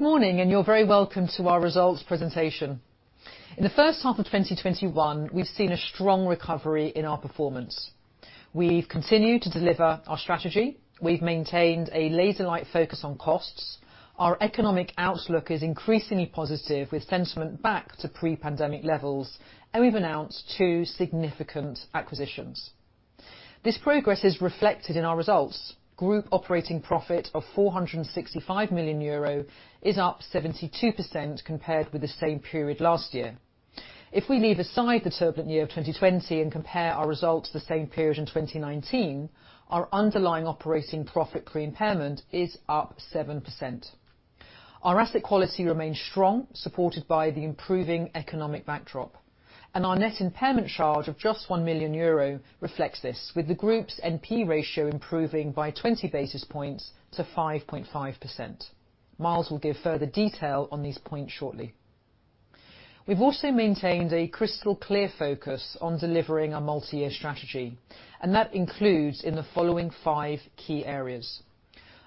Good morning, you're very welcome to our results presentation. In the first half of 2021, we've seen a strong recovery in our performance. We've continued to deliver our strategy. We've maintained a laser-like focus on costs. Our economic outlook is increasingly positive, with sentiment back to pre-pandemic levels, and we've announced two significant acquisitions. This progress is reflected in our results. Group operating profit of 465 million euro is up 72% compared with the same period last year. If we leave aside the turbulent year of 2020 and compare our results to the same period in 2019, our underlying operating profit pre-impairment is up 7%. Our asset quality remains strong, supported by the improving economic backdrop. Our net impairment charge of just 1 million euro reflects this, with the group's NPE ratio improving by 20 basis points to 5.5%. Myles will give further detail on these points shortly. We've also maintained a crystal clear focus on delivering our multi-year strategy. That includes in the following five key areas.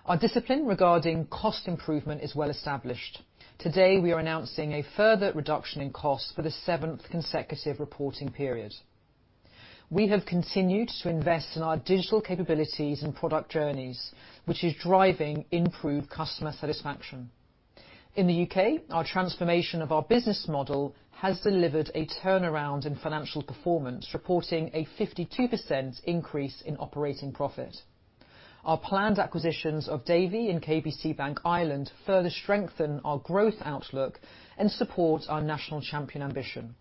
Our discipline regarding cost improvement is well established. Today, we are announcing a further reduction in cost for the seventh consecutive reporting period. We have continued to invest in our digital capabilities and product journeys, which is driving improved customer satisfaction. In the U.K., our transformation of our business model has delivered a turnaround in financial performance, reporting a 52% increase in operating profit. Our planned acquisitions of Davy and KBC Bank Ireland further strengthen our growth outlook and support our national champion ambition.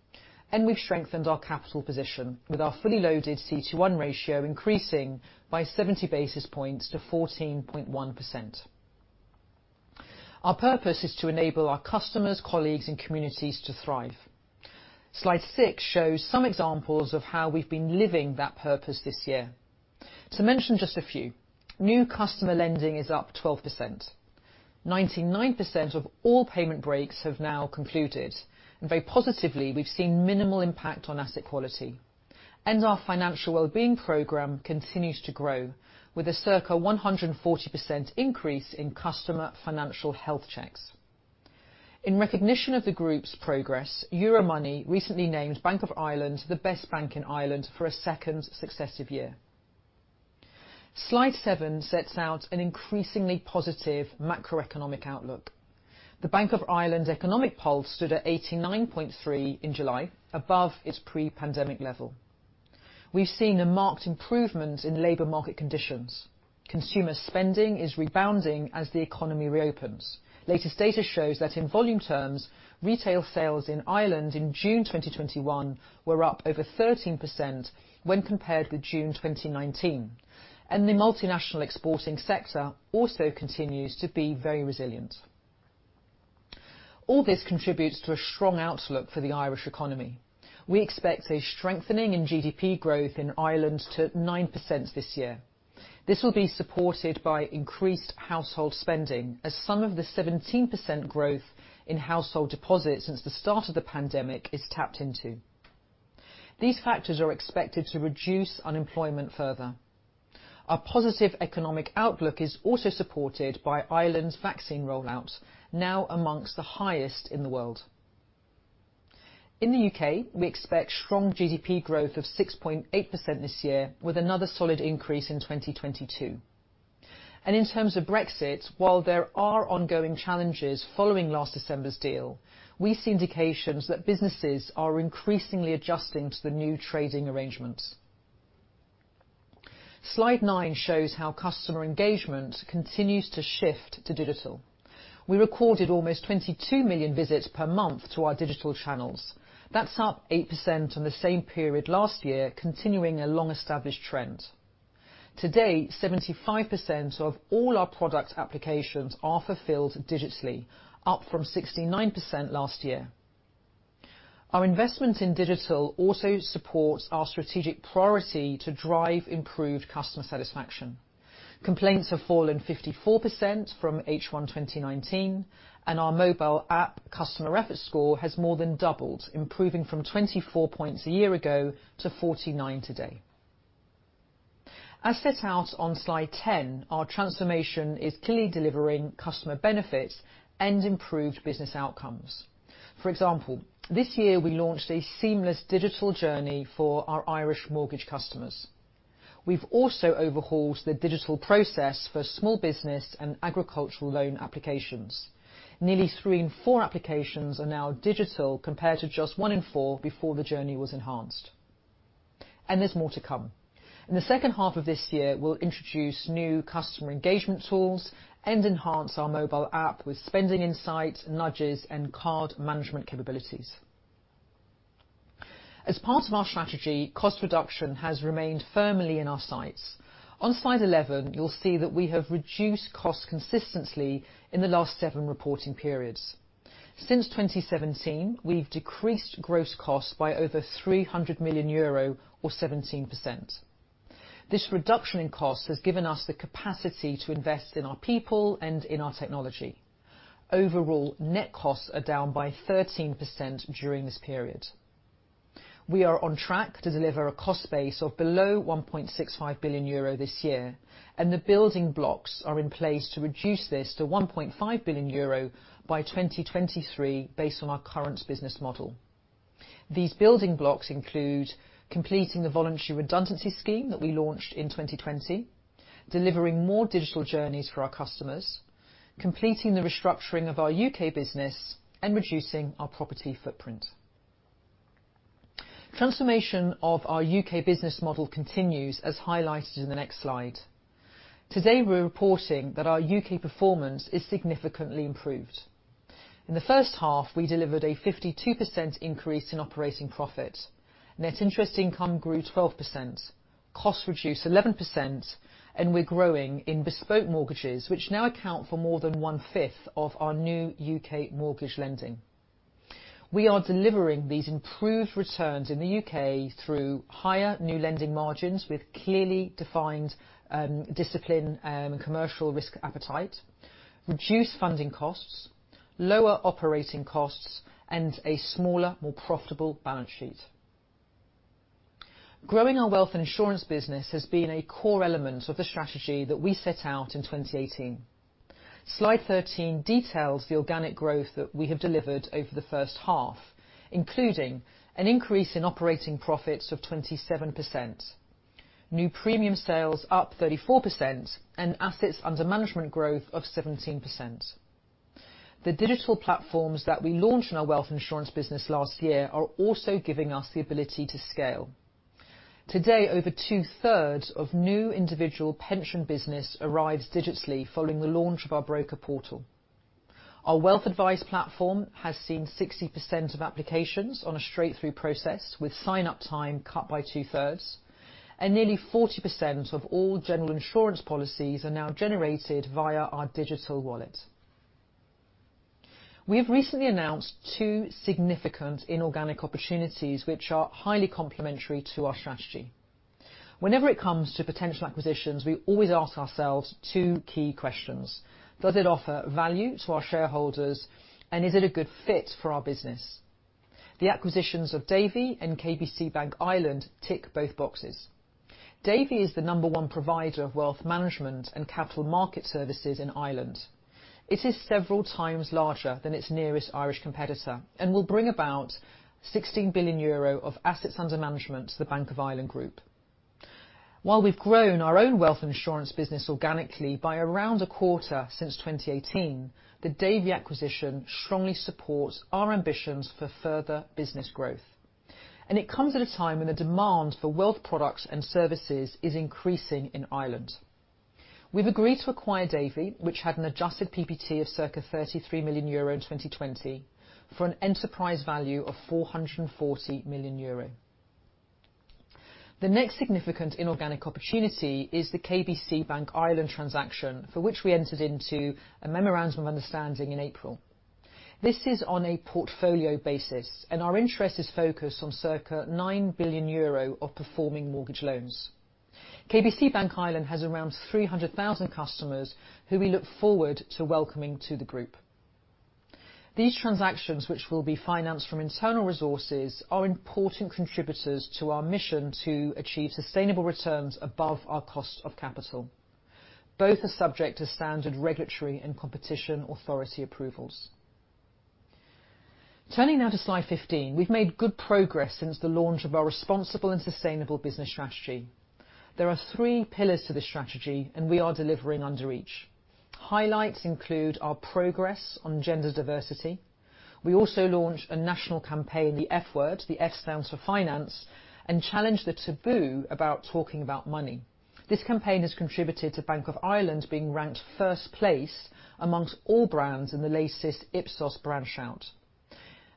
We've strengthened our capital position, with our fully loaded CET1 ratio increasing by 70 basis points to 14.1%. Our purpose is to enable our customers, colleagues, and communities to thrive. Slide six shows some examples of how we've been living that purpose this year. To mention just a few, new customer lending is up 12%. 99% of all payment breaks have now concluded. Very positively, we've seen minimal impact on asset quality. Our financial well-being program continues to grow, with a circa 140% increase in customer financial health checks. In recognition of the group's progress, Euromoney recently named Bank of Ireland the best bank in Ireland for a second successive year. Slide seven sets out an increasingly positive macroeconomic outlook. The Bank of Ireland Economic Pulse stood at 89.3 in July, above its pre-pandemic level. We've seen a marked improvement in labor market conditions. Consumer spending is rebounding as the economy reopens. Latest data shows that, in volume terms, retail sales in Ireland in June 2021 were up over 13% when compared with June 2019. The multinational exporting sector also continues to be very resilient. All this contributes to a strong outlook for the Irish economy. We expect a strengthening in GDP growth in Ireland to 9% this year. This will be supported by increased household spending as some of the 17% growth in household deposits since the start of the pandemic is tapped into. These factors are expected to reduce unemployment further. Our positive economic outlook is also supported by Ireland's vaccine rollout, now amongst the highest in the world. In the U.K., we expect strong GDP growth of 6.8% this year, with another solid increase in 2022. In terms of Brexit, while there are ongoing challenges following last December's deal, we see indications that businesses are increasingly adjusting to the new trading arrangements. Slide nine shows how customer engagement continues to shift to digital. We recorded almost 22 million visits per month to our digital channels. That's up 8% on the same period last year, continuing a long-established trend. To date, 75% of all our product applications are fulfilled digitally, up from 69% last year. Our investment in digital also supports our strategic priority to drive improved customer satisfaction. Complaints have fallen 54% from H1 2019, and our mobile app customer effort score has more than doubled, improving from 24 points a year ago to 49 today. As set out on slide 10, our transformation is clearly delivering customer benefits and improved business outcomes. For example, this year, we launched a seamless digital journey for our Irish mortgage customers. We've also overhauled the digital process for small business and agricultural loan applications. Nearly three in four applications are now digital, compared to just one in four before the journey was enhanced. There's more to come. In the second half of this year, we'll introduce new customer engagement tools and enhance our mobile app with spending insights, nudges, and card management capabilities. As part of our strategy, cost reduction has remained firmly in our sights. On slide 11, you'll see that we have reduced costs consistently in the last seven reporting periods. Since 2017, we've decreased gross costs by over 300 million euro or 17%. This reduction in cost has given us the capacity to invest in our people and in our technology. Overall, net costs are down by 13% during this period. We are on track to deliver a cost base of below 1.65 billion euro this year, and the building blocks are in place to reduce this to 1.5 billion euro by 2023, based on our current business model. These building blocks include completing the voluntary redundancy scheme that we launched in 2020, delivering more digital journeys for our customers, completing the restructuring of our U.K. business, and reducing our property footprint. Transformation of our U.K. business model continues, as highlighted in the next slide. Today, we're reporting that our U.K. performance is significantly improved. In the first half, we delivered a 52% increase in operating profit. Net Interest Income grew 12%, costs reduced 11%, and we're growing in bespoke mortgages, which now account for more than 1/5 of our new U.K. mortgage lending. We are delivering these improved returns in the U.K. through higher new lending margins with clearly defined discipline and commercial risk appetite, reduced funding costs, lower operating costs, and a smaller, more profitable balance sheet. Growing our wealth and insurance business has been a core element of the strategy that we set out in 2018. Slide 13 details the organic growth that we have delivered over the first half, including an increase in operating profits of 27%, new premium sales up 34%, and assets under management growth of 17%. The digital platforms that we launched in our wealth and insurance business last year are also giving us the ability to scale. Today, over 2/3 of new individual pension business arrives digitally following the launch of our broker portal. Our wealth advice platform has seen 60% of applications on a straight-through process with sign-up time cut by 2/3, and nearly 40% of all general insurance policies are now generated via our digital wallet. We have recently announced two significant inorganic opportunities, which are highly complementary to our strategy. Whenever it comes to potential acquisitions, we always ask ourselves two key questions. Does it offer value to our shareholders, and is it a good fit for our business? The acquisitions of Davy and KBC Bank Ireland tick both boxes. Davy is the number one provider of wealth management and capital market services in Ireland. It is several times larger than its nearest Irish competitor and will bring about 16 billion euro of assets under management to the Bank of Ireland Group. While we've grown our own wealth and insurance business organically by around a quarter since 2018, the Davy acquisition strongly supports our ambitions for further business growth, and it comes at a time when the demand for wealth products and services is increasing in Ireland. We've agreed to acquire Davy, which had an adjusted PBT of circa 33 million euro in 2020, for an enterprise value of 440 million euro. The next significant inorganic opportunity is the KBC Bank Ireland transaction, for which we entered into a memorandum of understanding in April. This is on a portfolio basis, and our interest is focused on circa 9 billion euro of performing mortgage loans. KBC Bank Ireland has around 300,000 customers who we look forward to welcoming to the group. These transactions, which will be financed from internal resources, are important contributors to our mission to achieve sustainable returns above our cost of capital. Both are subject to standard regulatory and competition authority approvals. Turning now to slide 15. We've made good progress since the launch of our Responsible and Sustainable Business Strategy. There are three pillars to this strategy, and we are delivering under each. Highlights include our progress on gender diversity. We also launched a national campaign, The F Word, the F stands for finance, and challenged the taboo about talking about money. This campaign has contributed to Bank of Ireland being ranked first place amongst all brands in the latest Ipsos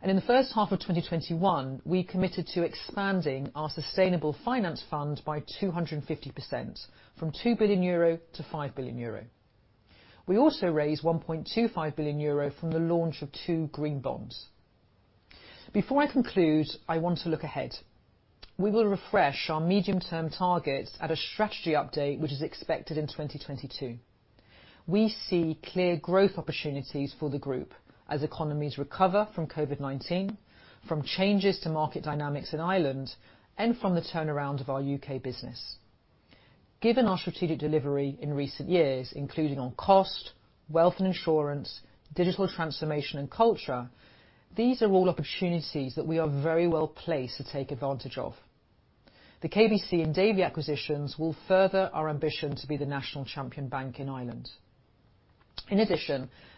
BrandShout. In the first half of 2021, we committed to expanding our sustainable finance fund by 250%, from 2 billion euro to 5 billion euro. We also raised 1.25 billion euro from the launch of two green bonds. Before I conclude, I want to look ahead. We will refresh our medium-term targets at a strategy update, which is expected in 2022. We see clear growth opportunities for the group as economies recover from COVID-19, from changes to market dynamics in Ireland, and from the turnaround of our U.K. business. Given our strategic delivery in recent years, including on cost, wealth and insurance, digital transformation, and culture, these are all opportunities that we are very well placed to take advantage of. The KBC and Davy acquisitions will further our ambition to be the national champion bank in Ireland.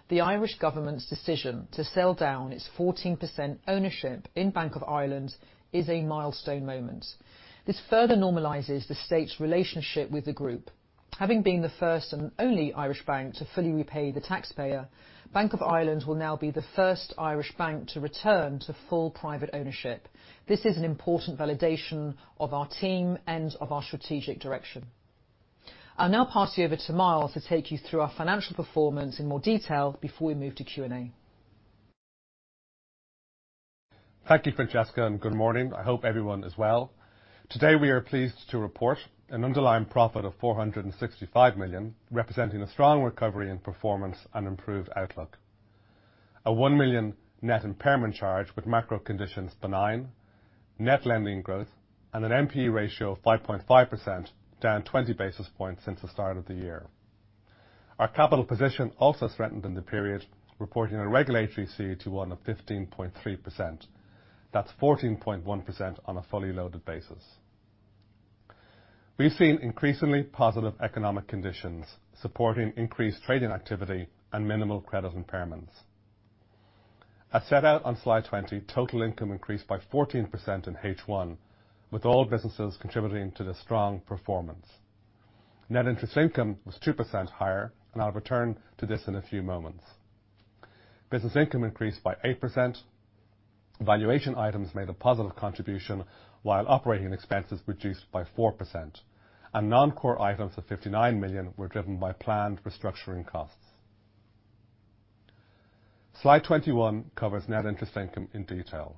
The Irish government's decision to sell down its 14% ownership in Bank of Ireland is a milestone moment. This further normalizes the state's relationship with the group. Having been the first and only Irish bank to fully repay the taxpayer, Bank of Ireland will now be the first Irish bank to return to full private ownership. This is an important validation of our team and of our strategic direction. I'll now pass you over to Myles to take you through our financial performance in more detail before we move to Q&A. Thank you, Francesca, and good morning. I hope everyone is well. Today, we are pleased to report an underlying profit of 465 million, representing a strong recovery in performance and improved outlook. A 1 million net impairment charge with macro conditions benign, net lending growth, and an NPE ratio of 5.5%, down 20 basis points since the start of the year. Our capital position also strengthened in the period, reporting a regulatory CET1 of 15.3%. That's 14.1% on a fully loaded basis. We've seen increasingly positive economic conditions, supporting increased trading activity and minimal credit impairments. As set out on slide 20, total income increased by 14% in H1, with all businesses contributing to this strong performance. Net interest income was 2% higher, and I'll return to this in a few moments. Business income increased by 8%, valuation items made a positive contribution while operating expenses reduced by 4%, and non-core items of 59 million were driven by planned restructuring costs. Slide 21 covers net interest income in detail.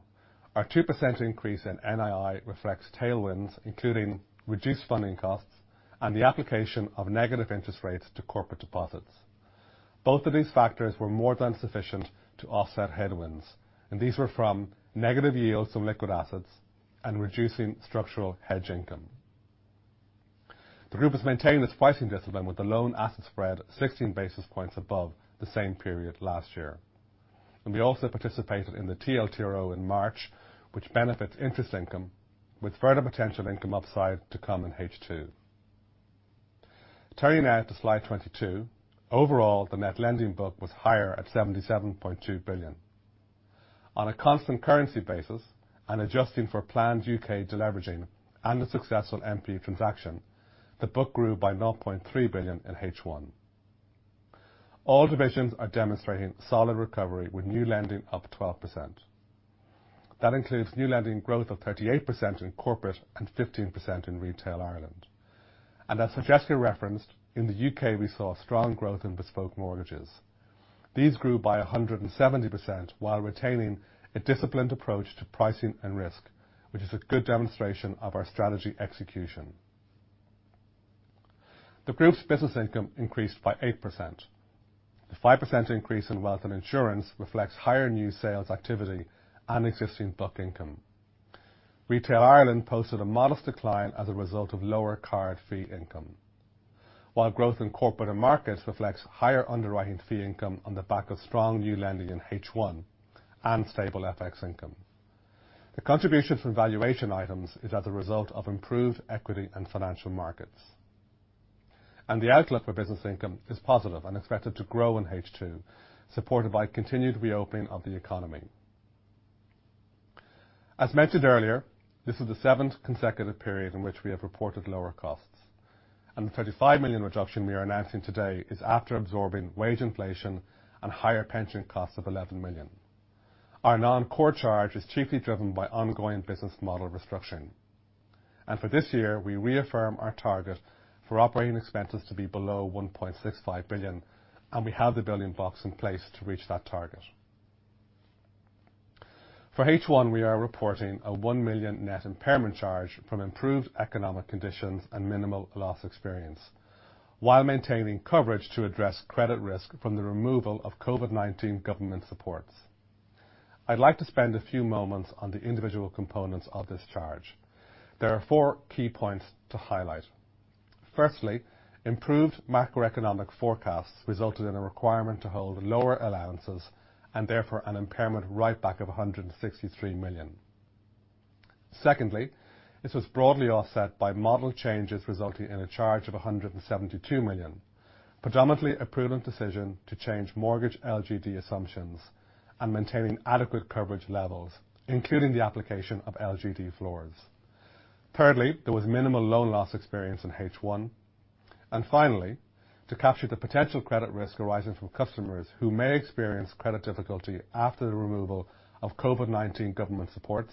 Our 2% increase in NII reflects tailwinds, including reduced funding costs and the application of negative interest rates to corporate deposits. Both of these factors were more than sufficient to offset headwinds, and these were from negative yields on liquid assets and reducing structural hedge income. The group has maintained its pricing discipline with the loan asset spread 16 basis points above the same period last year. We also participated in the TLTRO in March, which benefits interest income with further potential income upside to come in H2. Turning now to Slide 22, overall, the net lending book was higher at 77.2 billion. On a constant currency basis, adjusting for planned U.K. deleveraging and a successful NPE transaction, the book grew by 0.3 billion in H1. All divisions are demonstrating solid recovery, with new lending up 12%. That includes new lending growth of 38% in Corporate and 15% in Retail Ireland. As Francesca referenced, in the U.K., we saw strong growth in bespoke mortgages. These grew by 170% while retaining a disciplined approach to pricing and risk, which is a good demonstration of our strategy execution. The group's business income increased by 8%. The 5% increase in Wealth and Insurance reflects higher new sales activity and existing book income. Retail Ireland posted a modest decline as a result of lower card fee income. Growth in Corporate and Markets reflects higher underwriting fee income on the back of strong new lending in H1 and stable FX income. The contribution from valuation items is as a result of improved equity and financial markets. The outlook for business income is positive and expected to grow in H2, supported by continued reopening of the economy. As mentioned earlier, this is the seventh consecutive period in which we have reported lower costs. The 35 million reduction we are announcing today is after absorbing wage inflation and higher pension costs of 11 million. Our non-core charge is chiefly driven by ongoing business model restructuring. For this year, we reaffirm our target for operating expenses to be below 1.65 billion. We have the building blocks in place to reach that target. For H1, we are reporting a 1 million net impairment charge from improved economic conditions and minimal loss experience while maintaining coverage to address credit risk from the removal of COVID-19 government supports. I'd like to spend a few moments on the individual components of this charge. There are four key points to highlight. Firstly, improved macroeconomic forecasts resulted in a requirement to hold lower allowances and therefore an impairment write back of 163 million. Secondly, this was broadly offset by model changes resulting in a charge of 172 million, predominantly a prudent decision to change mortgage LGD assumptions and maintaining adequate coverage levels, including the application of LGD floors. Thirdly, there was minimal loan loss experience in H1. Finally, to capture the potential credit risk arising from customers who may experience credit difficulty after the removal of COVID-19 government supports,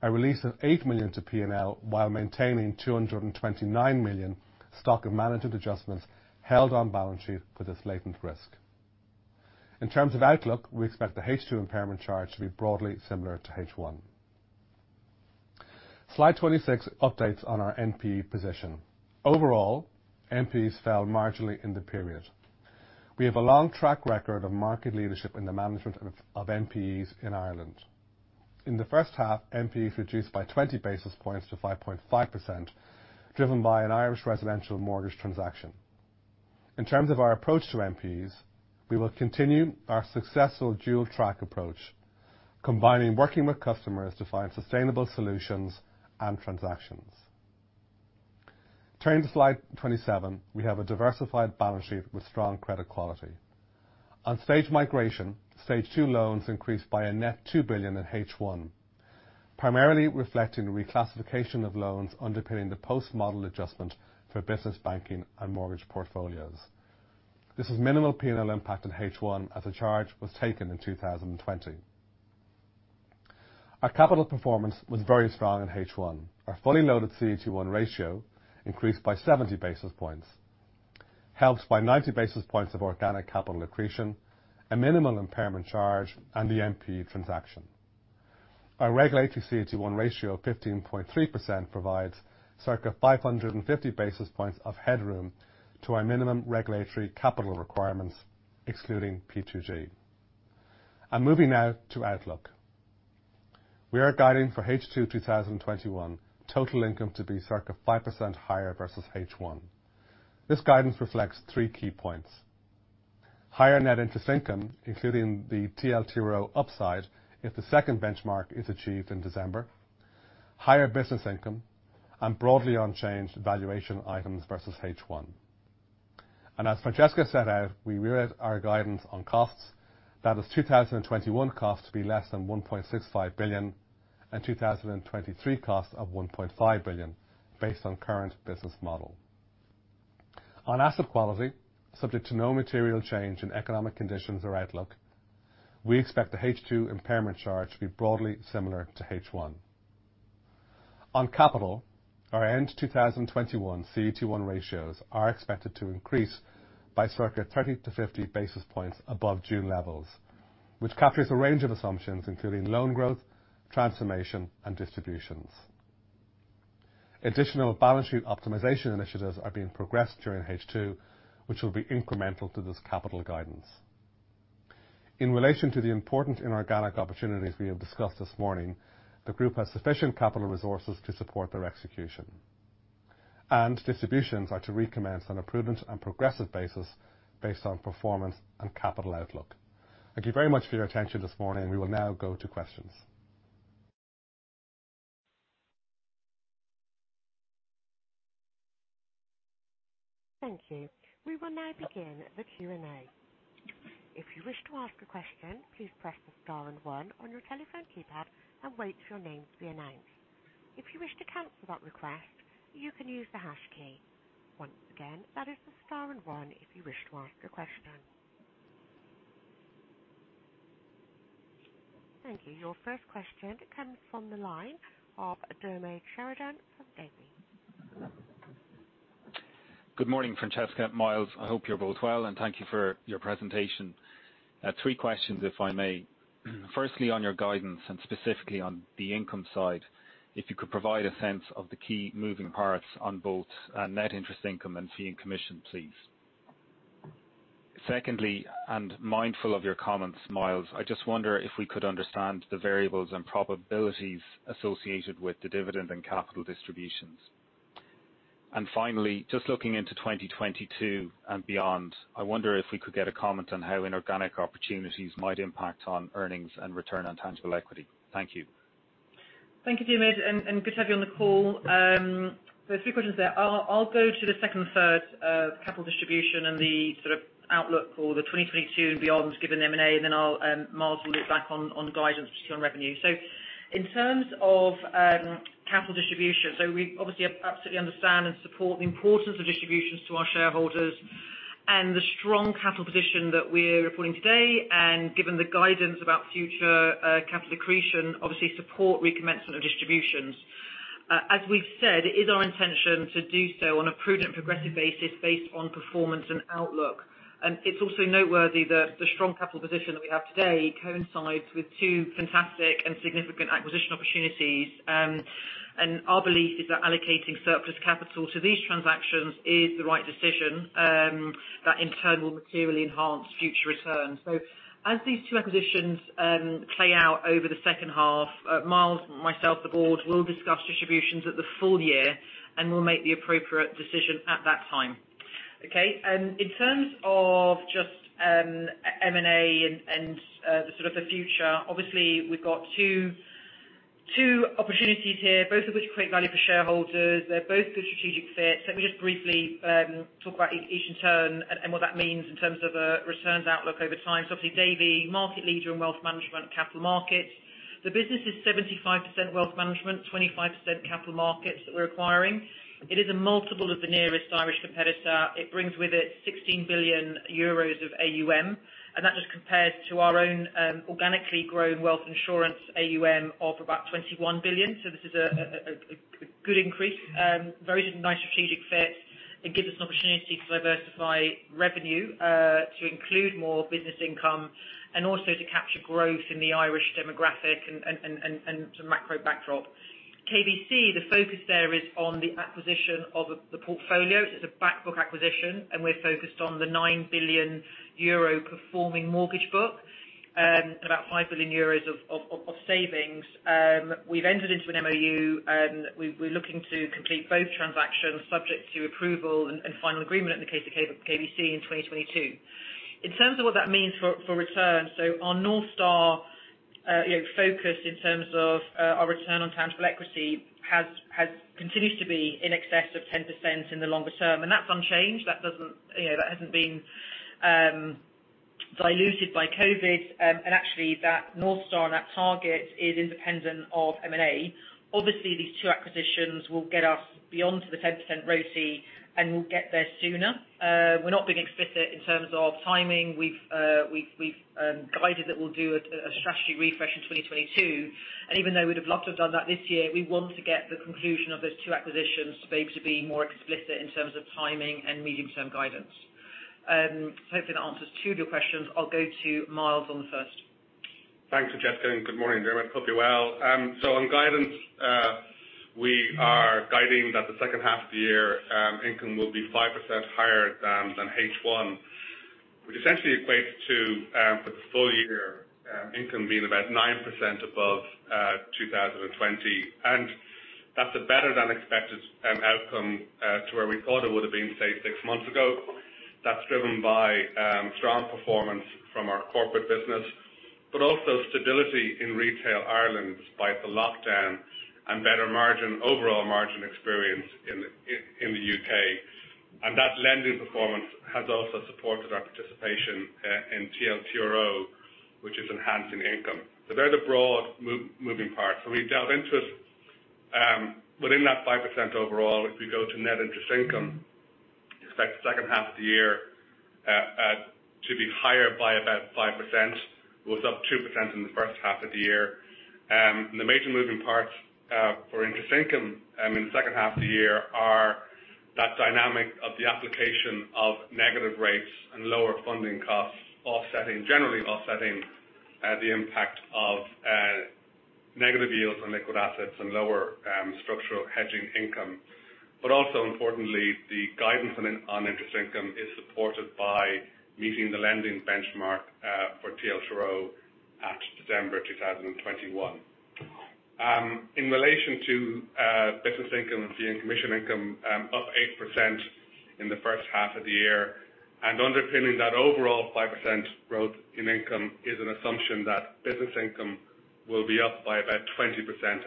a release of 8 million to P&L while maintaining 229 million stock of management adjustments held on balance sheet for this latent risk. In terms of outlook, we expect the H2 impairment charge to be broadly similar to H1. Slide 26 updates on our NPE position. Overall, NPEs fell marginally in the period. We have a long track record of market leadership in the management of NPEs in Ireland. In the first half, NPEs reduced by 20 basis points to 5.5%, driven by an Irish residential mortgage transaction. In terms of our approach to NPEs, we will continue our successful dual track approach, combining working with customers to find sustainable solutions and transactions. Turning to slide 27, we have a diversified balance sheet with strong credit quality. On stage migration, stage two loans increased by a net 2 billion in H1, primarily reflecting the reclassification of loans underpinning the post-model adjustment for business banking and mortgage portfolios. This has minimal P&L impact in H1 as a charge was taken in 2020. Our capital performance was very strong in H1. Our fully loaded CET1 ratio increased by 70 basis points, helped by 90 basis points of organic capital accretion, a minimal impairment charge, and the NPE transaction. Our regulatory CET1 ratio of 15.3% provides circa 550 basis points of headroom to our minimum regulatory capital requirements, excluding P2G. Moving now to outlook. We are guiding for H2 2021 total income to be circa 5% higher versus H1. This guidance reflects three key points. Higher net interest income, including the TLTRO upside, if the second benchmark is achieved in December, higher business income, and broadly unchanged valuation items versus H1. As Francesca set out, we re-read our guidance on costs. That is 2021 costs to be less than 1.65 billion and 2023 costs of 1.5 billion, based on current business model. On asset quality, subject to no material change in economic conditions or outlook, we expect the H2 impairment charge to be broadly similar to H1. On capital, our end 2021 CET1 ratios are expected to increase by circa 30-50 basis points above June levels, which captures a range of assumptions, including loan growth, transformation, and distributions. Additional balance sheet optimization initiatives are being progressed during H2, which will be incremental to this capital guidance. In relation to the important inorganic opportunities we have discussed this morning, the group has sufficient capital resources to support their execution, and distributions are to recommence on a prudent and progressive basis based on performance and capital outlook. Thank you very much for your attention this morning. We will now go to questions. Thank you. We will now begin the Q&A. If you wish to ask a question, please press the star and one on your telephone keypad and wait for your name to be announced. If you wish to cancel that request, you can use the hash key. Once again, that is the star and one if you wish to ask a question. Thank you. Your first question comes from the line of Diarmaid Sheridan from Davy. Good morning, Francesca, Myles. I hope you're both well, and thank you for your presentation. Three questions, if I may. Firstly, on your guidance, and specifically on the income side, if you could provide a sense of the key moving parts on both net interest income and fee and commission, please. Secondly, mindful of your comments, Myles, I just wonder if we could understand the variables and probabilities associated with the dividend and capital distributions. Finally, just looking into 2022 and beyond, I wonder if we could get a comment on how inorganic opportunities might impact on earnings and return on tangible equity. Thank you. Thank you, Diarmaid, and good to have you on the call. There are three questions there. I'll go to the second and third, capital distribution and the sort of outlook for 2022 and beyond, given the M&A, and then Myles will loop back on guidance, particularly on revenue. In terms of capital distribution, so we obviously absolutely understand and support the importance of distributions to our shareholders and the strong capital position that we're reporting today, and given the guidance about future capital accretion, obviously support recommencement of distributions. As we've said, it is our intention to do so on a prudent progressive basis based on performance and outlook. It's also noteworthy that the strong capital position that we have today coincides with two fantastic and significant acquisition opportunities. Our belief is that allocating surplus capital to these transactions is the right decision. That in turn will materially enhance future returns. As these two acquisitions play out over the second half, Myles, myself, the board will discuss distributions at the full year and will make the appropriate decision at that time. Okay. In terms of just M&A and the future, obviously we've got two opportunities here, both of which create value for shareholders. They're both good strategic fits. Let me just briefly talk about each in turn and what that means in terms of a returns outlook over time. Obviously, Davy, market leader in wealth management, capital markets. The business is 75% wealth management, 25% capital markets that we're acquiring. It is a multiple of the nearest Irish competitor. It brings with it 16 billion euros of AUM, and that just compares to our own organically grown wealth insurance AUM of about 21 billion. This is a good increase. Very nice strategic fit. It gives us an opportunity to diversify revenue to include more business income and also to capture growth in the Irish demographic and some macro backdrop. KBC, the focus there is on the acquisition of the portfolio. It's a back book acquisition, and we're focused on the 9 billion euro performing mortgage book and about 5 billion euros of savings. We've entered into an MOU. We're looking to complete both transactions subject to approval and final agreement in the case of KBC in 2022. In terms of what that means for return, our North Star focus in terms of our return on tangible equity continues to be in excess of 10% in the longer term, and that's unchanged. That hasn't been diluted by COVID. Actually that North Star and that target is independent of M&A. Obviously, these two acquisitions will get us beyond to the 10% ROCE. We'll get there sooner. We're not being explicit in terms of timing. We've guided that we'll do a strategy refresh in 2022. Even though we'd have loved to have done that this year, we want to get the conclusion of those two acquisitions to be able to be more explicit in terms of timing and medium-term guidance. Hoping that answers two of your questions. I'll go to Myles on the first. Thanks, Francesca, good morning, Diarmaid. Hope you're well. On guidance, we are guiding that the second half of the year, income will be 5% higher than H1, which essentially equates to, for the full year income being about 9% above 2020. That's a better than expected outcome to where we thought it would have been, say, six months ago. That's driven by strong performance from our corporate business, but also stability in retail Ireland despite the lockdown, and better overall margin experience in the U.K. That lending performance has also supported our participation in TLTRO, which is enhancing income. There's the broad moving parts. We delve into it. Within that 5% overall, if we go to net interest income, expect the second half of the year to be higher by about 5%, was up 2% in the first half of the year. The major moving parts for interest income in the second half of the year are that dynamic of the application of negative rates and lower funding costs, generally offsetting the impact of negative yields on liquid assets and lower structural hedging income. Also importantly, the guidance on interest income is supported by meeting the lending benchmark for TLTRO at December 2021. In relation to business income, fee and commission income up 8% in the 1st half of the year. Underpinning that overall 5% growth in income is an assumption that business income will be up by about 20%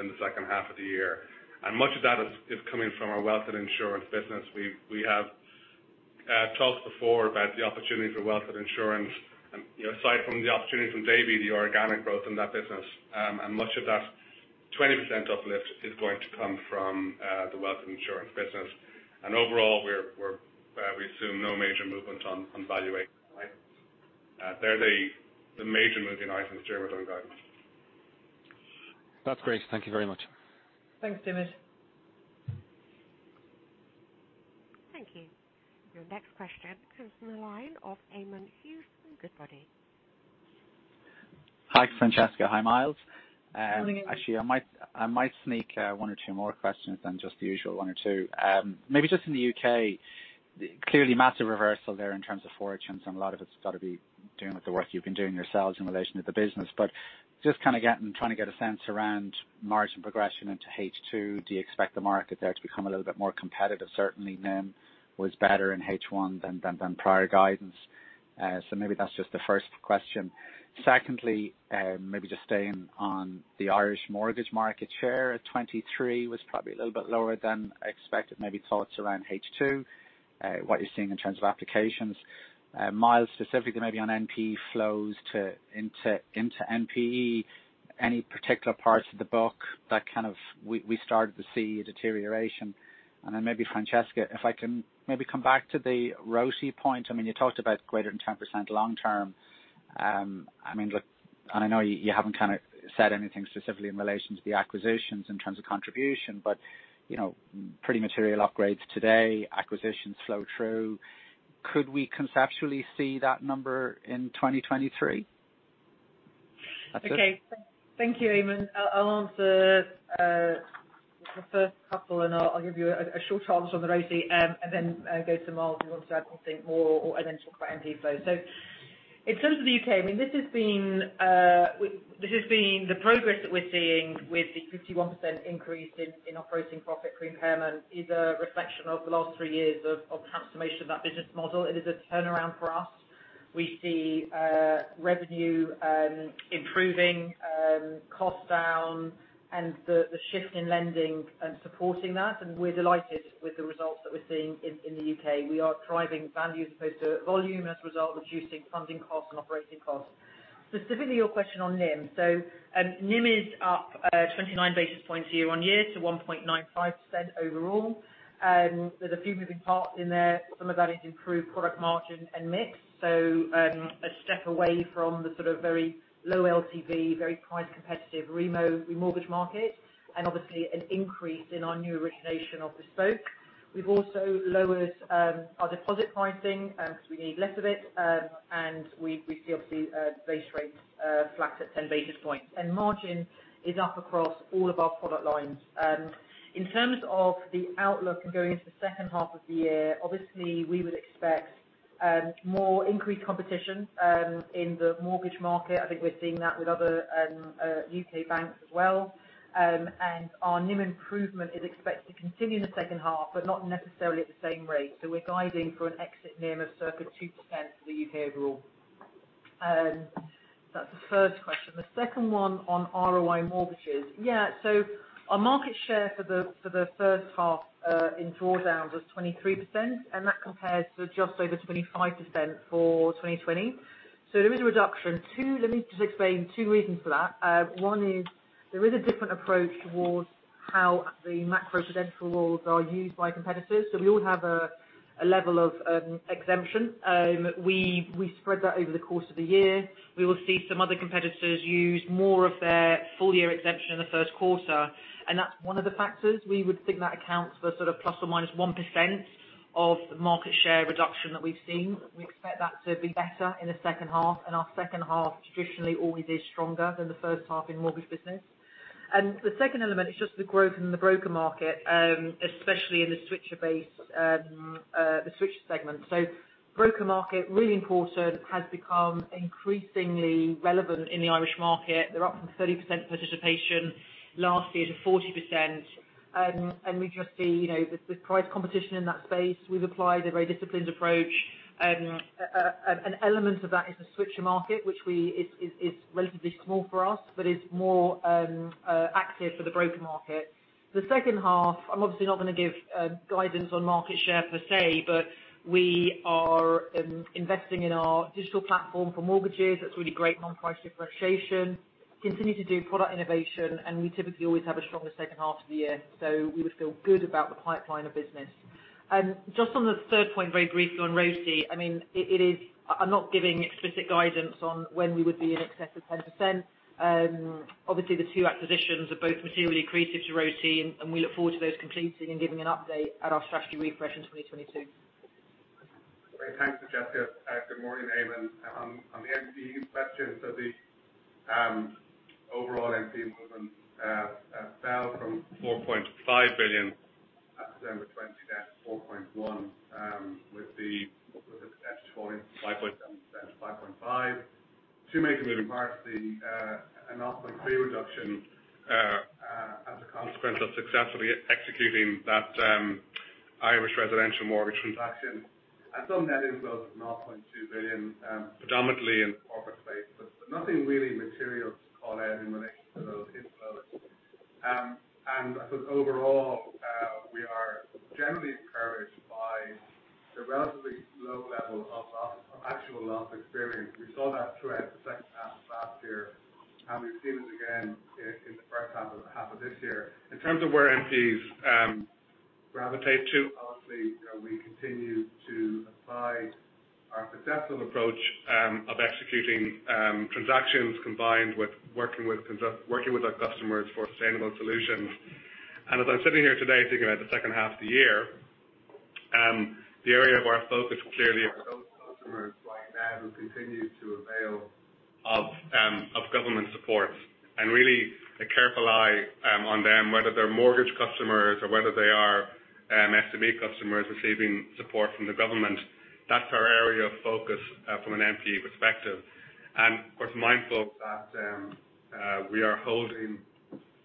in the second half of the year. Much of that is coming from our wealth and insurance business. We have talked before about the opportunity for wealth and insurance, aside from the opportunity from Davy, the organic growth in that business. Much of that 20% uplift is going to come from the wealth and insurance business. Overall we assume no major movement on valuation. They're the major moving items here within guidance. That's great. Thank you very much. Thanks, Diarmaid. Thank you. Your next question comes from the line of Eamonn Hughes from Goodbody. Hi, Francesca. Hi, Myles. Morning. Actually, I might sneak one or two more questions than just the usual one or two. Maybe just in the U.K., clearly massive reversal there in terms of fortunes, and a lot of it's got to be doing with the work you've been doing yourselves in relation to the business. Just kind of trying to get a sense around margin progression into H2. Do you expect the market there to become a little bit more competitive? Certainly NIM was better in H1 than prior guidance. Maybe that's just the first question. Secondly, maybe just staying on the Irish mortgage market share at 23% was probably a little bit lower than expected. Maybe thoughts around H2, what you're seeing in terms of applications. Myles, specifically maybe on NPE flows into NPE, any particular parts of the book that we started to see a deterioration? Maybe Francesca, if I can maybe come back to the ROCE point. I mean, you talked about greater than 10% long term. I know you haven't said anything specifically in relation to the acquisitions in terms of contribution, but pretty material upgrades today, acquisitions flow through. Could we conceptually see that number in 2023? Okay. Thank you, Eamonn. I'll answer the first couple, and I'll give you a short answer on the ROCE, and then go to Myles if you want to add anything more, and then talk about NPE flow. In terms of the U.K., the progress that we're seeing with the 51% increase in operating profit pre-impairment is a reflection of the last three years of transformation of that business model. It is a turnaround for us. We see revenue improving, cost down, and the shift in lending and supporting that, and we're delighted with the results that we're seeing in the U.K. We are driving value as opposed to volume as a result, reducing funding costs and operating costs. Specifically, your question on NIM. NIM is up 29 basis points year-on-year to 1.95% overall. There's a few moving parts in there. Some of that is improved product margin and mix. A step away from the sort of very low LTV, very price competitive remortgage market, and obviously an increase in our new origination of bespoke. We've also lowered our deposit pricing because we need less of it. We see, obviously, base rates flat at 10 basis points. Margin is up across all of our product lines. In terms of the outlook and going into the second half of the year, obviously we would expect more increased competition in the mortgage market. I think we're seeing that with other U.K. banks as well. Our NIM improvement is expected to continue in the second half, but not necessarily at the same rate. We're guiding for an exit NIM of circa 2% for the U.K. overall. That's the first question. The second one on ROA mortgages. Yeah. Our market share for the first half in drawdowns was 23%, and that compares to just over 25% for 2020. There is a reduction. Let me just explain two reasons for that. One is there is a different approach towards how the macro prudential rules are used by competitors. We all have a level of exemption. We spread that over the course of the year. We will see some other competitors use more of their full year exemption in the first quarter, and that's one of the factors. We would think that accounts for sort of ±1% of the market share reduction that we've seen. We expect that to be better in the second half, and our second half traditionally always is stronger than the first half in mortgage business. The second element is just the growth in the broker market, especially in the switcher base, the switcher segment. Broker market, really important, has become increasingly relevant in the Irish market. They're up from 30% participation last year to 40%, and we just see with price competition in that space, we've applied a very disciplined approach. An element of that is the switcher market, which is relatively small for us, but is more active for the broker market. The second half, I'm obviously not going to give guidance on market share per se, but we are investing in our digital platform for mortgages. That's really great non-price differentiation. Continue to do product innovation, and we typically always have a stronger second half to the year. We would feel good about the pipeline of business. Just on the third point, very briefly on ROCE, I'm not giving explicit guidance on when we would be in excess of 10%. Obviously, the two acquisitions are both materially accretive to ROCE. We look forward to those completing and giving an update at our strategy refresh in 2022. Thanks, Francesca. Good morning, Eamonn. On the NPE question, the overall NPE movement fell from 4.5 billion at December 2020, down to 4.1 billion with the 5.7, 5.5. Two major moving parts, the EUR 0.3 billion reduction as a consequence of successfully executing that Irish residential mortgage transaction, and some net inflows of 0.2 billion, predominantly in the corporate space. Nothing really material to call out in relation to those inflows. I suppose overall, we are generally encouraged by the relatively low level of loss from actual loss experience. We saw that throughout the second half of last year, and we have seen it again in the first half of this year. In terms of where NPEs gravitate to, obviously, we continue to apply our successful approach of executing transactions combined with working with our customers for sustainable solutions. As I'm sitting here today thinking about the second half of the year, the area of our focus clearly are those customers right now who continue to avail of government support. Really a careful eye on them, whether they're mortgage customers or whether they are SME customers receiving support from the government, that's our area of focus from an NPE perspective. Of course, mindful that we are holding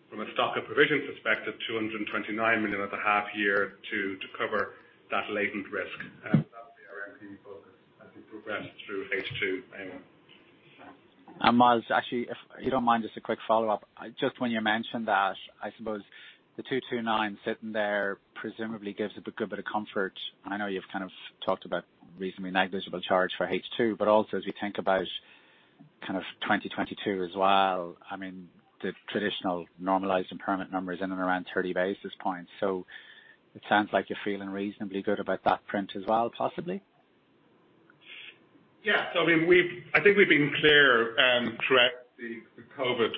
from a stock of provisions perspective, 229 million at the half year to cover that latent risk. That would be our NPE focus as we progress through H2, Eamonn. Myles, actually, if you don't mind, just a quick follow-up. Just when you mentioned that, I suppose the 229 sitting there presumably gives a good bit of comfort. I know you've kind of talked about reasonably negligible charge for H2, but also as we think about kind of 2022 as well, the traditional normalized impairment numbers in and around 30 basis points. It sounds like you're feeling reasonably good about that print as well, possibly? Yeah. I think we've been clear throughout the COVID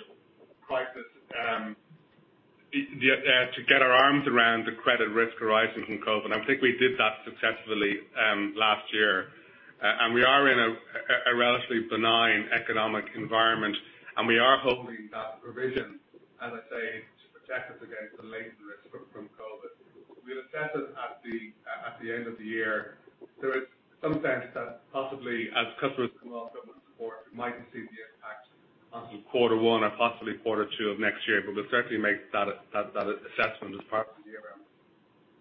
crisis to get our arms around the credit risk arising from COVID. I think we did that successfully last year. We are in a relatively benign economic environment, and we are holding that provision, as I say, to protect us against the latent risk from COVID. We'll assess it at the end of the year. There is some sense that possibly as customers come off government support, we might not see the impact until quarter one or possibly quarter two of next year. We'll certainly make that assessment as part of the year-end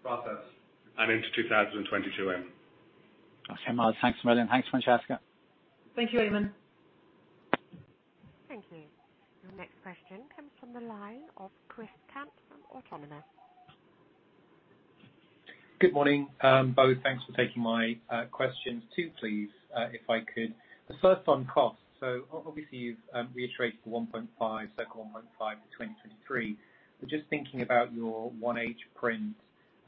process and into 2022 then. Okay, Myles. Thanks a million. Thanks, Francesca. Thank you, Eamonn. Thank you. Your next question comes from the line of Christopher Mayock from Autonomous. Good morning. Both, thanks for taking my questions. Two, please, if I could. The first on cost. Obviously you've reiterated the circa 1.5 billion for 2023. Just thinking about your 1H print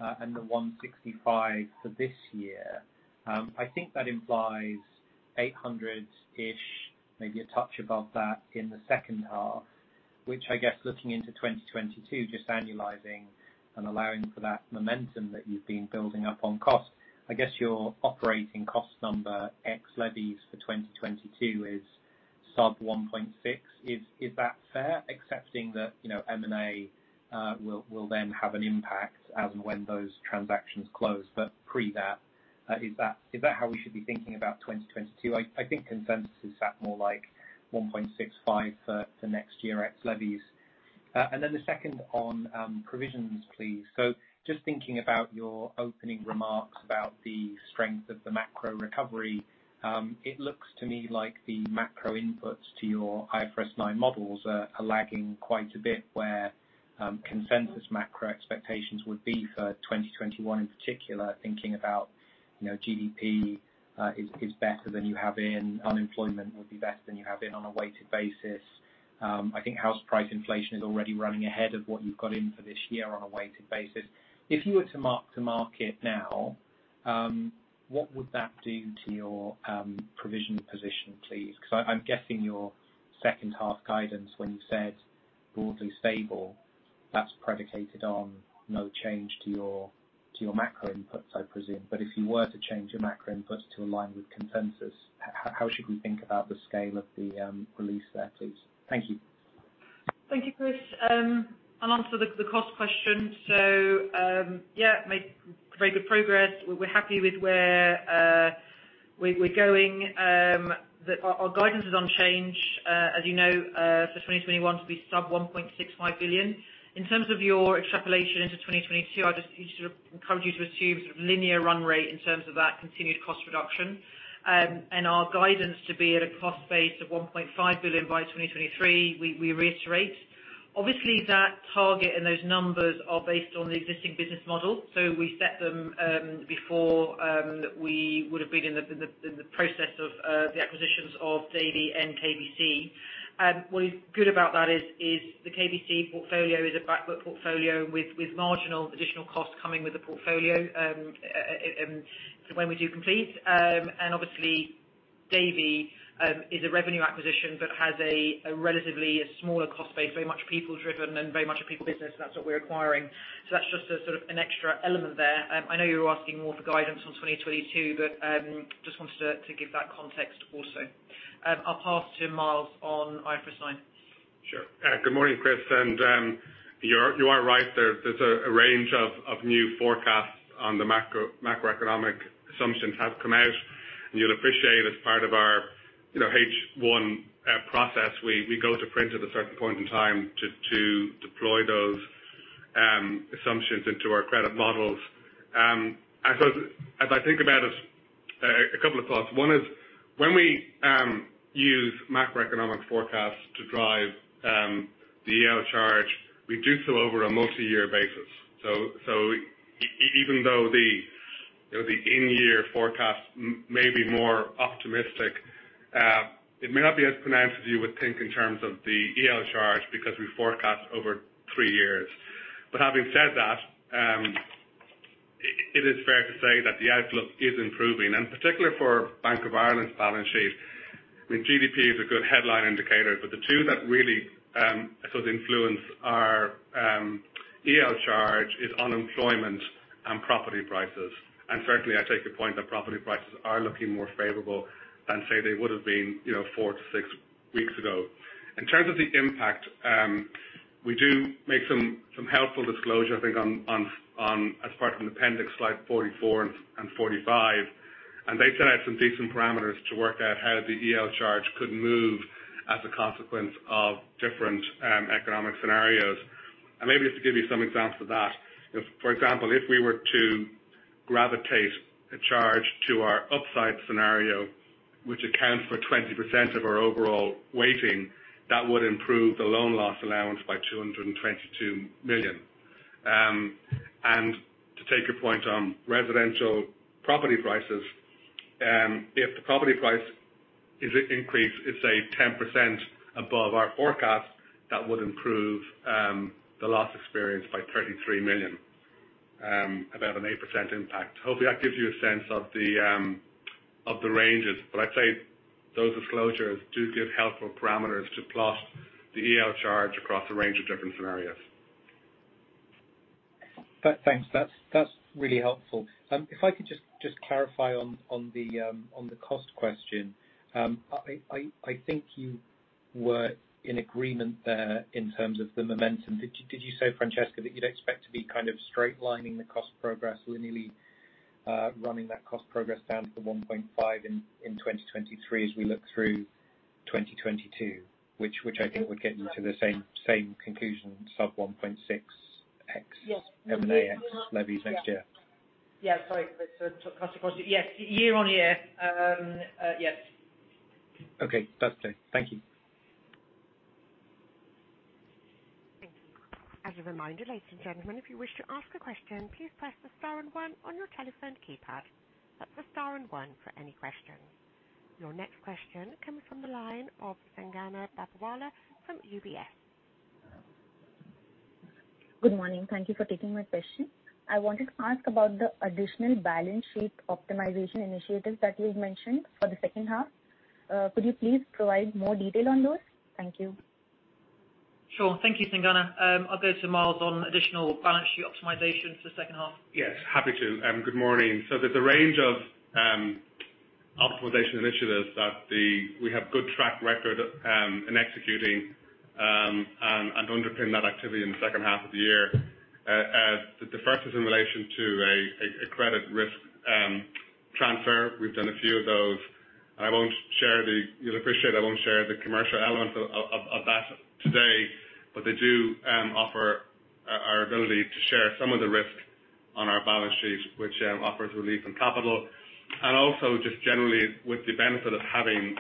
and the 1.65 billion for this year, I think that implies 800 million-ish, maybe a touch above that in second half. Which I guess looking into 2022, just annualizing and allowing for that momentum that you've been building up on cost, I guess your operating cost number ex-levies for 2022 is sub 1.6 billion. Is that fair? Accepting that M&A will then have an impact as and when those transactions close. Pre that, is that how we should be thinking about 2022? I think consensus is at more like 1.65 billion for next year ex-levies. Then the second on provisions, please. Just thinking about your opening remarks about the strength of the macro recovery. It looks to me like the macro inputs to your IFRS 9 models are lagging quite a bit, where consensus macro expectations would be for 2021 in particular, thinking about GDP is better than you have in, unemployment would be better than you have in on a weighted basis. I think house price inflation is already running ahead of what you've got in for this year on a weighted basis. If you were to mark to market now, what would that do to your provision position, please? I'm guessing your second half guidance when you said broadly stable, that's predicated on no change to your macro inputs, I presume. If you were to change your macro inputs to align with consensus, how should we think about the scale of the release there, please? Thank you. Thank you, Chris. I'll answer the cost question. Made very good progress. We're happy with where we're going. Our guidance is unchanged, as you know, for 2021 to be sub 1.65 billion. In terms of your extrapolation into 2022, I just encourage you to assume linear run rate in terms of that continued cost reduction. Our guidance to be at a cost base of 1.5 billion by 2023, we reiterate. Obviously, that target and those numbers are based on the existing business model. We set them before we would have been in the process of the acquisitions of Davy and KBC. What is good about that is the KBC portfolio is a back book portfolio with marginal additional costs coming with the portfolio, so when we do complete. Obviously, Davy is a revenue acquisition but has a relatively smaller cost base, very much people driven and very much a people business. That's what we're acquiring. That's just an extra element there. I know you're asking more for guidance on 2022, but just wanted to give that context also. I'll pass to Myles on IFRS 9. Sure. Good morning, Chris. You are right, there's a range of new forecasts on the macroeconomic assumptions have come out, and you'll appreciate as part of our H1 process, we go to print at a certain point in time to deploy those assumptions into our credit models. I suppose as I think about it, a couple of thoughts. One is when we use macroeconomic forecasts to drive the EL charge, we do so over a multi-year basis. Even though the in year forecast may be more optimistic, it may not be as pronounced as you would think in terms of the EL charge because we forecast over three years. Having said that, it is fair to say that the outlook is improving, and particularly for Bank of Ireland's balance sheet. I mean, GDP is a good headline indicator, but the two that really I thought influence our EL charge is unemployment and property prices. Frankly, I take your point that property prices are looking more favorable than, say, they would have been four to six weeks ago. In terms of the impact, we do make some helpful disclosure, I think, as part of an appendix, slide 44 and 45, and they set out some decent parameters to work out how the EL charge could move as a consequence of different economic scenarios. Maybe just to give you some examples of that. For example, if we were to gravitate a charge to our upside scenario, which accounts for 20% of our overall weighting, that would improve the loan loss allowance by 222 million. To take your point on residential property prices, if the property price is increased, let's say 10% above our forecast, that would improve the loss experience by 33 million, about an 8% impact. Hopefully, that gives you a sense of the ranges. I'd say those disclosures do give helpful parameters to plot the EL charge across a range of different scenarios. Thanks. That's really helpful. If I could just clarify on the cost question. I think you were in agreement there in terms of the momentum. Did you say, Francesca, that you'd expect to be kind of straight lining the cost progress, linearly running that cost progress down to 1.5 in 2023 as we look through 2022? Which I think would get you to the same conclusion, sub 1.6x. Yes. M&A, ex levies next year. Yeah, sorry, Chris. Cut across you. Yes. Year-on-year. Yes. Okay, that's clear. Thank you. Thank you. As a reminder, ladies and gentlemen, if you wish to ask a question, please press the star and one on your telephone keypad. That's the star and one for any questions. Your next question comes from the line of Sangeeta Pandya from UBS. Good morning. Thank you for taking my question. I wanted to ask about the additional balance sheet optimization initiatives that you've mentioned for the second half. Could you please provide more detail on those? Thank you. Sure. Thank you, Sangeeta. I'll go to Myles on additional balance sheet optimization for the second half. Yes, happy to. Good morning. There's a range of optimization initiatives that we have good track record in executing and underpin that activity in the second half of the year. The first is in relation to a credit risk transfer. We've done a few of those. You'll appreciate I won't share the commercial element of that today, but they do offer our ability to share some of the risk on our balance sheet, which offers relief in capital. Also just generally, with the benefit of having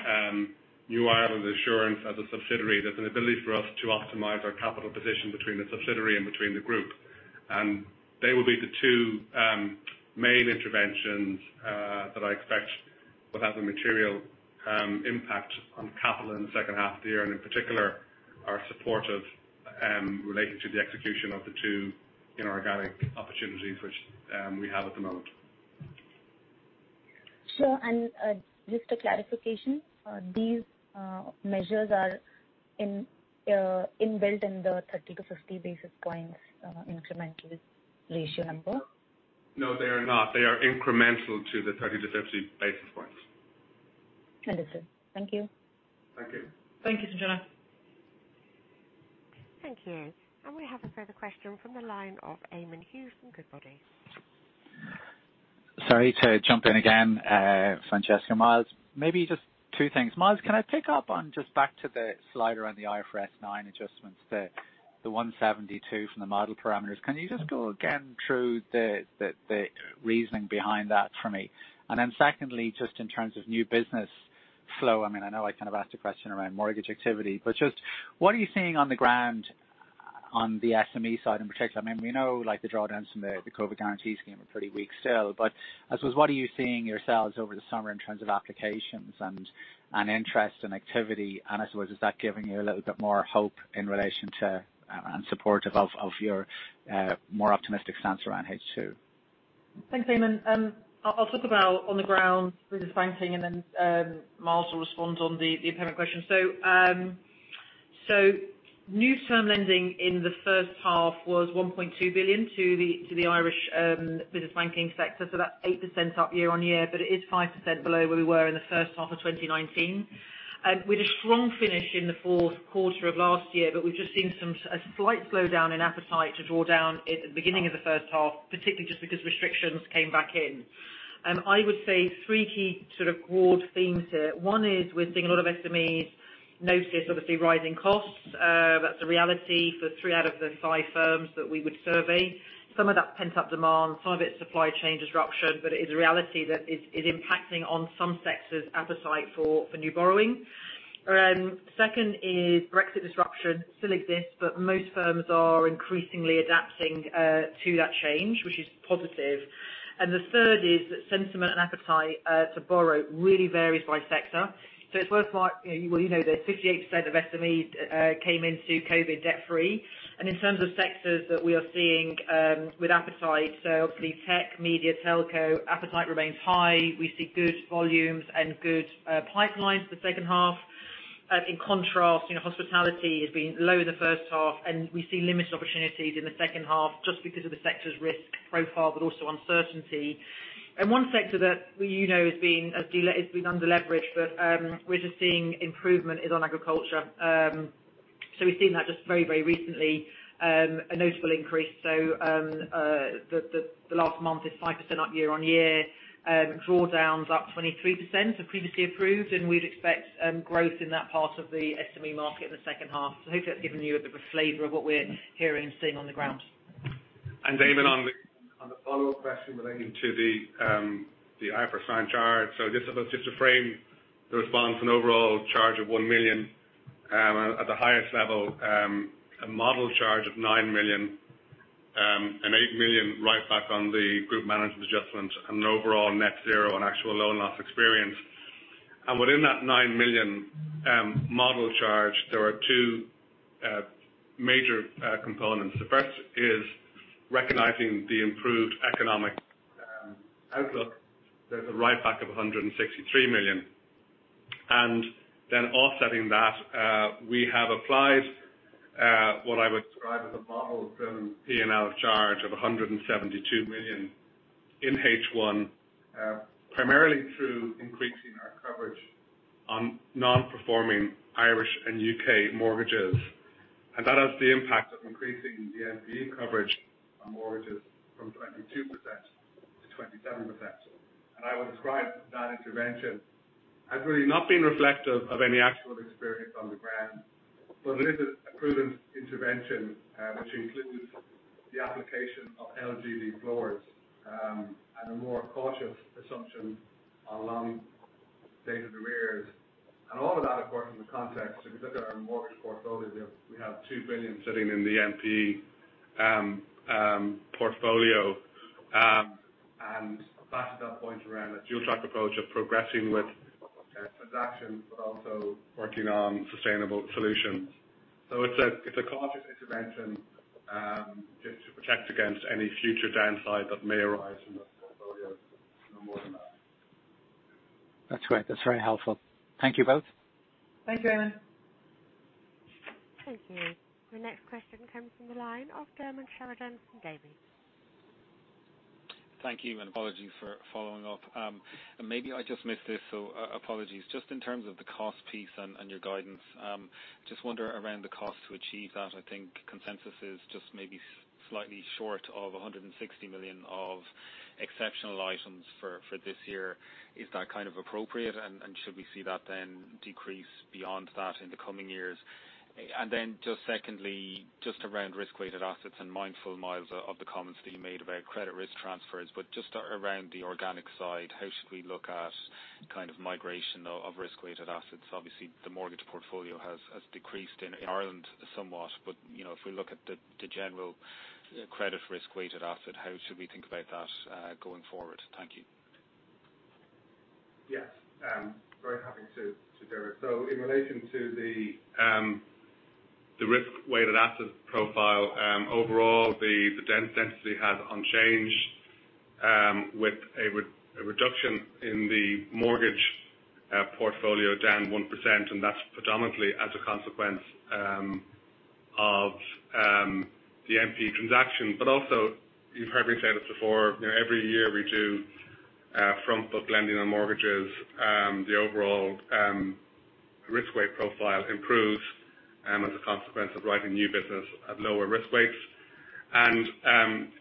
New Ireland Assurance as a subsidiary, there's an ability for us to optimize our capital position between the subsidiary and between the group. They will be the two main interventions that I expect will have a material impact on capital in the second half of the year, and in particular, are supportive relating to the execution of the two inorganic opportunities which we have at the moment. Sure. Just a clarification, these measures are inbuilt in the 30 basis points-50 basis points incremental ratio number? No, they are not. They are incremental to the 30 basis points-50 basis points. Understood. Thank you. Thank you. Thank you, Sangeeta. Thank you. We have a further question from the line of Eamonn Hughes from Goodbody. Sorry to jump in again, Francesca and Myles. Maybe just two things. Myles, can I pick up on just back to the slide around the IFRS 9 adjustments, the 172 from the model parameters. Can you just go again through the reasoning behind that for me? Then secondly, just in terms of new business flow, I know I kind of asked a question around mortgage activity, but just what are you seeing on the ground on the SME side in particular? We know the drawdowns from the COVID guarantee scheme are pretty weak still, I suppose, what are you seeing yourselves over the summer in terms of applications and interest and activity? I suppose, is that giving you a little bit more hope in relation to and supportive of your more optimistic stance around H2? Thanks, Eamonn. I'll talk about on the ground business banking and then Myles will respond on the impairment question. New term lending in the first half was 1.2 billion to the Irish business banking sector. That's 8% up year-on-year, it is 5% below where we were in the first half of 2019. With a strong finish in the fourth quarter of last year, we've just seen a slight slowdown in appetite to draw down at the beginning of the first half, particularly just because restrictions came back in. I would say three key sort of broad themes here. One is we're seeing a lot of SMEs notice, obviously, rising costs. That's a reality for three out of the five firms that we would survey. Some of that pent-up demand, some of it supply chain disruption, but it is a reality that it is impacting on some sectors' appetite for new borrowing. Second is Brexit disruption still exists, but most firms are increasingly adapting to that change, which is positive. The third is that sentiment and appetite to borrow really varies by sector. It's worth well, you know the 58% of SMEs came into COVID debt-free, in terms of sectors that we are seeing with appetite, hopefully tech, media, telco appetite remains high. We see good volumes and good pipelines for the second half. In contrast, hospitality has been low the first half, and we see limited opportunities in the second half just because of the sector's risk profile, but also uncertainty. One sector that we know has been under leveraged, but we're just seeing improvement, is on agriculture. We've seen that just very recently, a notable increase. The last month is 5% up year on year. Drawdowns up 23% of previously approved, and we'd expect growth in that part of the SME market in the second half. Hopefully that's given you a bit of a flavor of what we're hearing and seeing on the ground. Eamonn, on the follow-up question relating to the IFRS 9 charge. Just to frame the response, an overall charge of 1 million at the highest level, a model charge of 9 million, and 8 million write back on the group management adjustment, and an overall net zero on actual loan loss experience. Within that 9 million model charge, there are two major components. The first is recognizing the improved economic outlook. There is a write back of 163 million. Then offsetting that, we have applied what I would describe as a model-driven P&L charge of 172 million in H1, primarily through increasing our coverage on non-performing Irish and U.K. mortgages. That has the impact of increasing the NPE coverage on mortgages from 22% to 27%. I would describe that intervention as really not being reflective of any actual experience on the ground. It is a prudent intervention, which includes the application of LGD floors, and a more cautious assumption on long dated arrears. All of that, of course, in the context, if you look at our mortgage portfolio, we have 2 billion sitting in the NPE portfolio. Back to that point around a dual track approach of progressing with transactions, but also working on sustainable solutions. It's a cautious intervention, just to protect against any future downside that may arise from that portfolio. No more than that. That's great. That's very helpful. Thank you both. Thanks, Eamonn. Thank you. The next question comes from the line of Diarmaid Sheridan from Davy. Thank you. Apologies for following up. Maybe I just missed this. Apologies. Just in terms of the cost piece and your guidance, just wonder around the cost to achieve that. I think consensus is just maybe slightly short of 160 million of exceptional items for this year. Is that kind of appropriate? Should we see that then decrease beyond that in the coming years? Then just secondly, just around risk-weighted assets and mindful, Myles, of the comments that you made about credit risk transfers, but just around the organic side, how should we look at kind of migration of risk-weighted assets? Obviously, the mortgage portfolio has decreased in Ireland somewhat, but if we look at the general credit risk-weighted asset, how should we think about that going forward? Thank you. Yes. Very happy to, Diarmaid. In relation to the risk-weighted asset profile, overall the density has unchanged, with a reduction in the mortgage portfolio down 1%, and that's predominantly as a consequence of the NPE transaction. Also, you've heard me say this before, every year we do front book lending on mortgages. The overall risk weight profile improves as a consequence of writing new business at lower risk weights.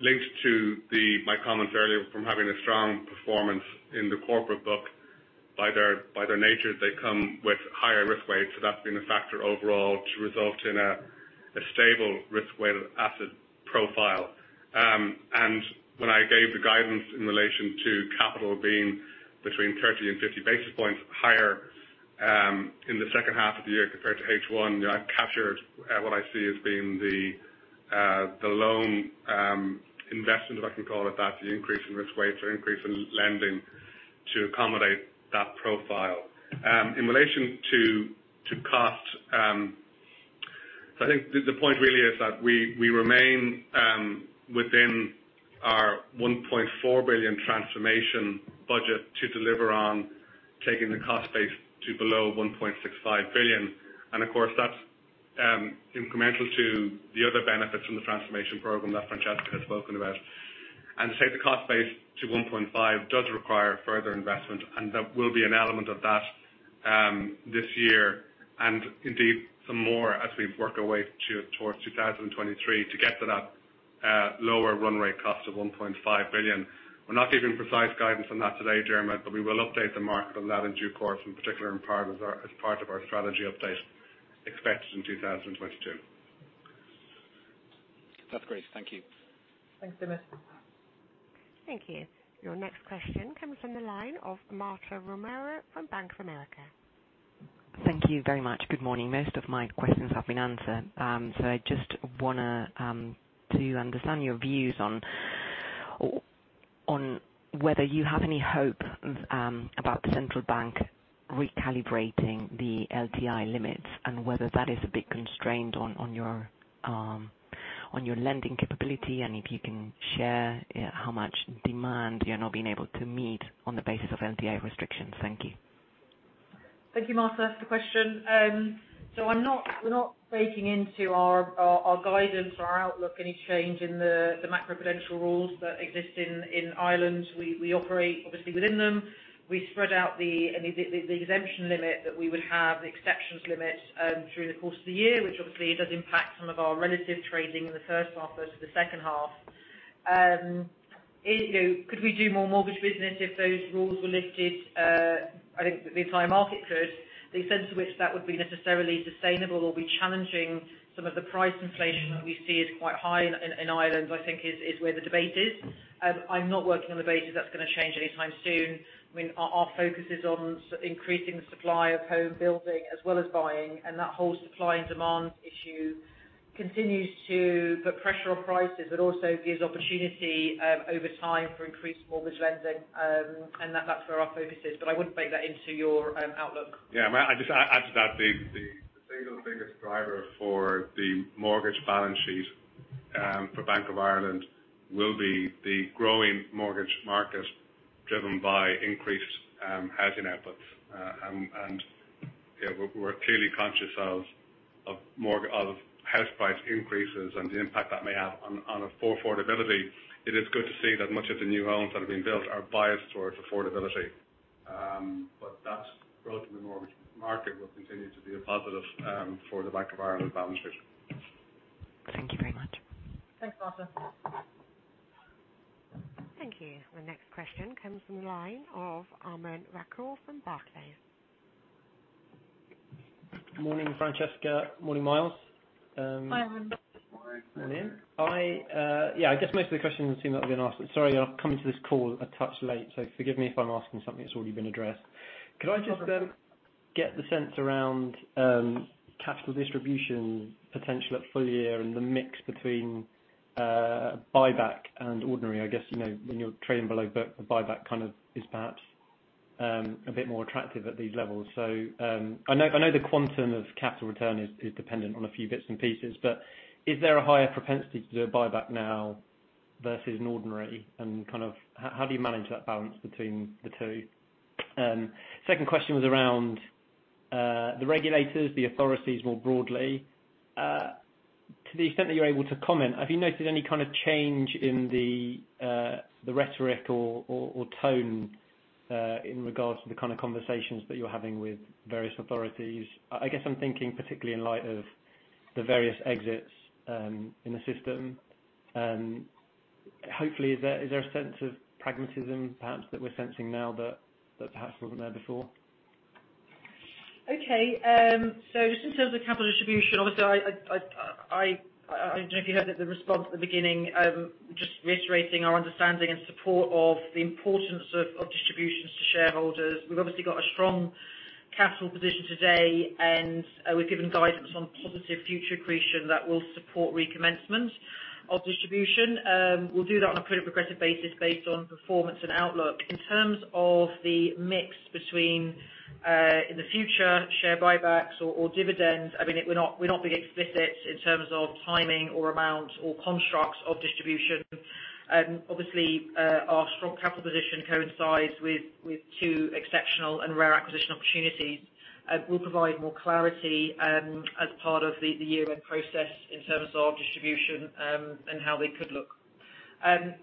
Linked to my comments earlier from having a strong performance in the corporate book, by their nature, they come with higher risk weights, so that's been a factor overall to result in a stable risk-weighted asset profile. When I gave the guidance in relation to capital being between 30 and 50 basis points higher in the second half of the year, compared to H1, I've captured what I see as being the loan investment, if I can call it that, the increase in risk weights or increase in lending to accommodate that profile. In relation to cost, I think the point really is that we remain within our 1.4 billion transformation budget to deliver on taking the cost base to below 1.65 billion. Of course, that's incremental to the other benefits from the transformation program that Francesca has spoken about. To take the cost base to 1.5 billion does require further investment, and there will be an element of that this year, and indeed some more as we work our way towards 2023 to get to that lower run rate cost of 1.5 billion. We're not giving precise guidance on that today, Diarmaid, but we will update the market on that in due course, and particularly as part of our strategy update expected in 2022. That's great. Thank you. Thanks, Diarmaid. Thank you. Your next question comes from the line of Marta Romero from Bank of America. Thank you very much. Good morning. Most of my questions have been answered, so I just want to understand your views on whether you have any hope about the central bank recalibrating the LTI limits, and whether that is a bit constrained on your lending capability, and if you can share how much demand you're not being able to meet on the basis of LTI restrictions. Thank you. Thank you, Marta, for the question. We're not baking into our guidance or our outlook, any change in the macro-prudential rules that exist in Ireland. We operate, obviously, within them. We spread out the exemption limit that we would have, the exceptions limit, through the course of the year, which obviously does impact some of our relative trading in the first half versus the second half. Could we do more mortgage business if those rules were lifted? I think the entire market could. The extent to which that would be necessarily sustainable or be challenging some of the price inflation that we see is quite high in Ireland, I think is where the debate is. I'm not working on the basis that's going to change anytime soon. Our focus is on increasing the supply of home building as well as buying, and that whole supply and demand issue continues to put pressure on prices, but also gives opportunity, over time, for increased mortgage lending. That's where our focus is. I wouldn't bake that into your outlook. Yeah. May I just add to that the single biggest driver for the mortgage balance sheet for Bank of Ireland will be the growing mortgage market driven by increased housing outputs. We are clearly conscious of house price increases and the impact that may have on affordability. It is good to see that much of the new homes that are being built are biased towards affordability. That growth in the mortgage market will continue to be a positive for the Bank of Ireland balance sheet. Thank you very much. Thanks, Marta. Thank you. The next question comes from the line of Aman Rakkar from Barclays. Morning, Francesca. Morning, Myles. Hi, Aman. Morning. Morning. I guess most of the questions seem that have been asked. Sorry, I've come to this call a touch late. Forgive me if I'm asking something that's already been addressed. No problem. Could I just get the sense around capital distribution potential at full year and the mix between buyback and ordinary. I guess, when you're trading below book, the buyback kind of is perhaps a bit more attractive at these levels. I know the quantum of capital return is dependent on a few bits and pieces, but is there a higher propensity to do a buyback now versus an ordinary, and how do you manage that balance between the two? Second question was around the regulators, the authorities more broadly. To the extent that you're able to comment, have you noticed any kind of change in the rhetoric or tone in regards to the kind of conversations that you're having with various authorities? I guess I'm thinking particularly in light of the various exits in the system. Hopefully, is there a sense of pragmatism, perhaps, that we're sensing now that perhaps wasn't there before? Okay. Just in terms of capital distribution, obviously, I don't know if you heard the response at the beginning. Just reiterating our understanding and support of the importance of distributions to shareholders. We've obviously got a strong capital position today, and we've given guidance on positive future accretion that will support recommencement of distribution. We'll do that on a pretty progressive basis based on performance and outlook. In terms of the mix between, in the future, share buybacks or dividends, we're not being explicit in terms of timing or amount or constructs of distribution. Obviously, our strong capital position coincides with two exceptional and rare acquisition opportunities. We'll provide more clarity as part of the year-end process in terms of distribution, and how they could look.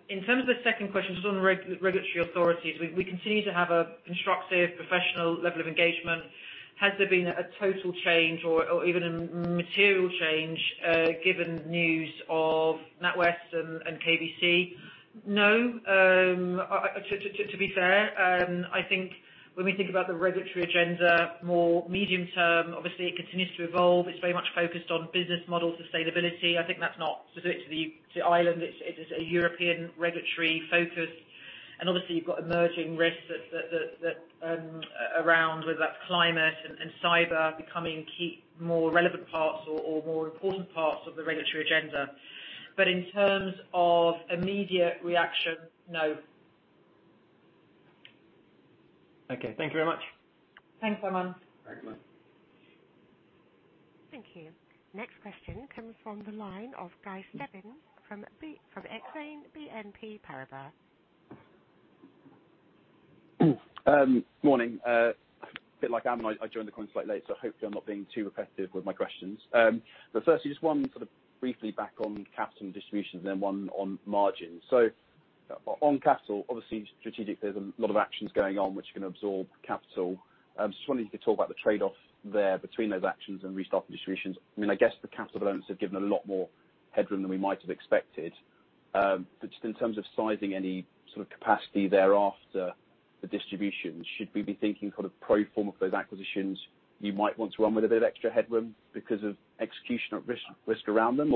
In terms of the second question, just on regulatory authorities, we continue to have a constructive professional level of engagement. Has there been a total change or even a material change given news of NatWest and KBC? No. To be fair, I think when we think about the regulatory agenda, more medium term, obviously it continues to evolve. It's very much focused on business model sustainability. I think that's not specific to Ireland. It is a European regulatory focus. Obviously you've got emerging risks around whether that's climate and cyber becoming more relevant parts or more important parts of the regulatory agenda. In terms of immediate reaction, no. Okay. Thank you very much. Thanks, Aman. Thanks, Aman. Thank you. Next question comes from the line of Guy Stebbings from Exane BNP Paribas. Morning. A bit like Aman, I joined the conference slightly late, hopefully I'm not being too repetitive with my questions. Firstly, just one briefly back on capital and distributions and then one on margins. On capital, obviously strategic, there's a lot of actions going on which are going to absorb capital. Just wondering if you could talk about the trade-off there between those actions and restarting distributions. I guess the capital balance has given a lot more headroom than we might have expected. Just in terms of sizing any sort of capacity thereafter the distributions, should we be thinking kind of pro forma for those acquisitions, you might want to run with a bit of extra headroom because of executional risk around them?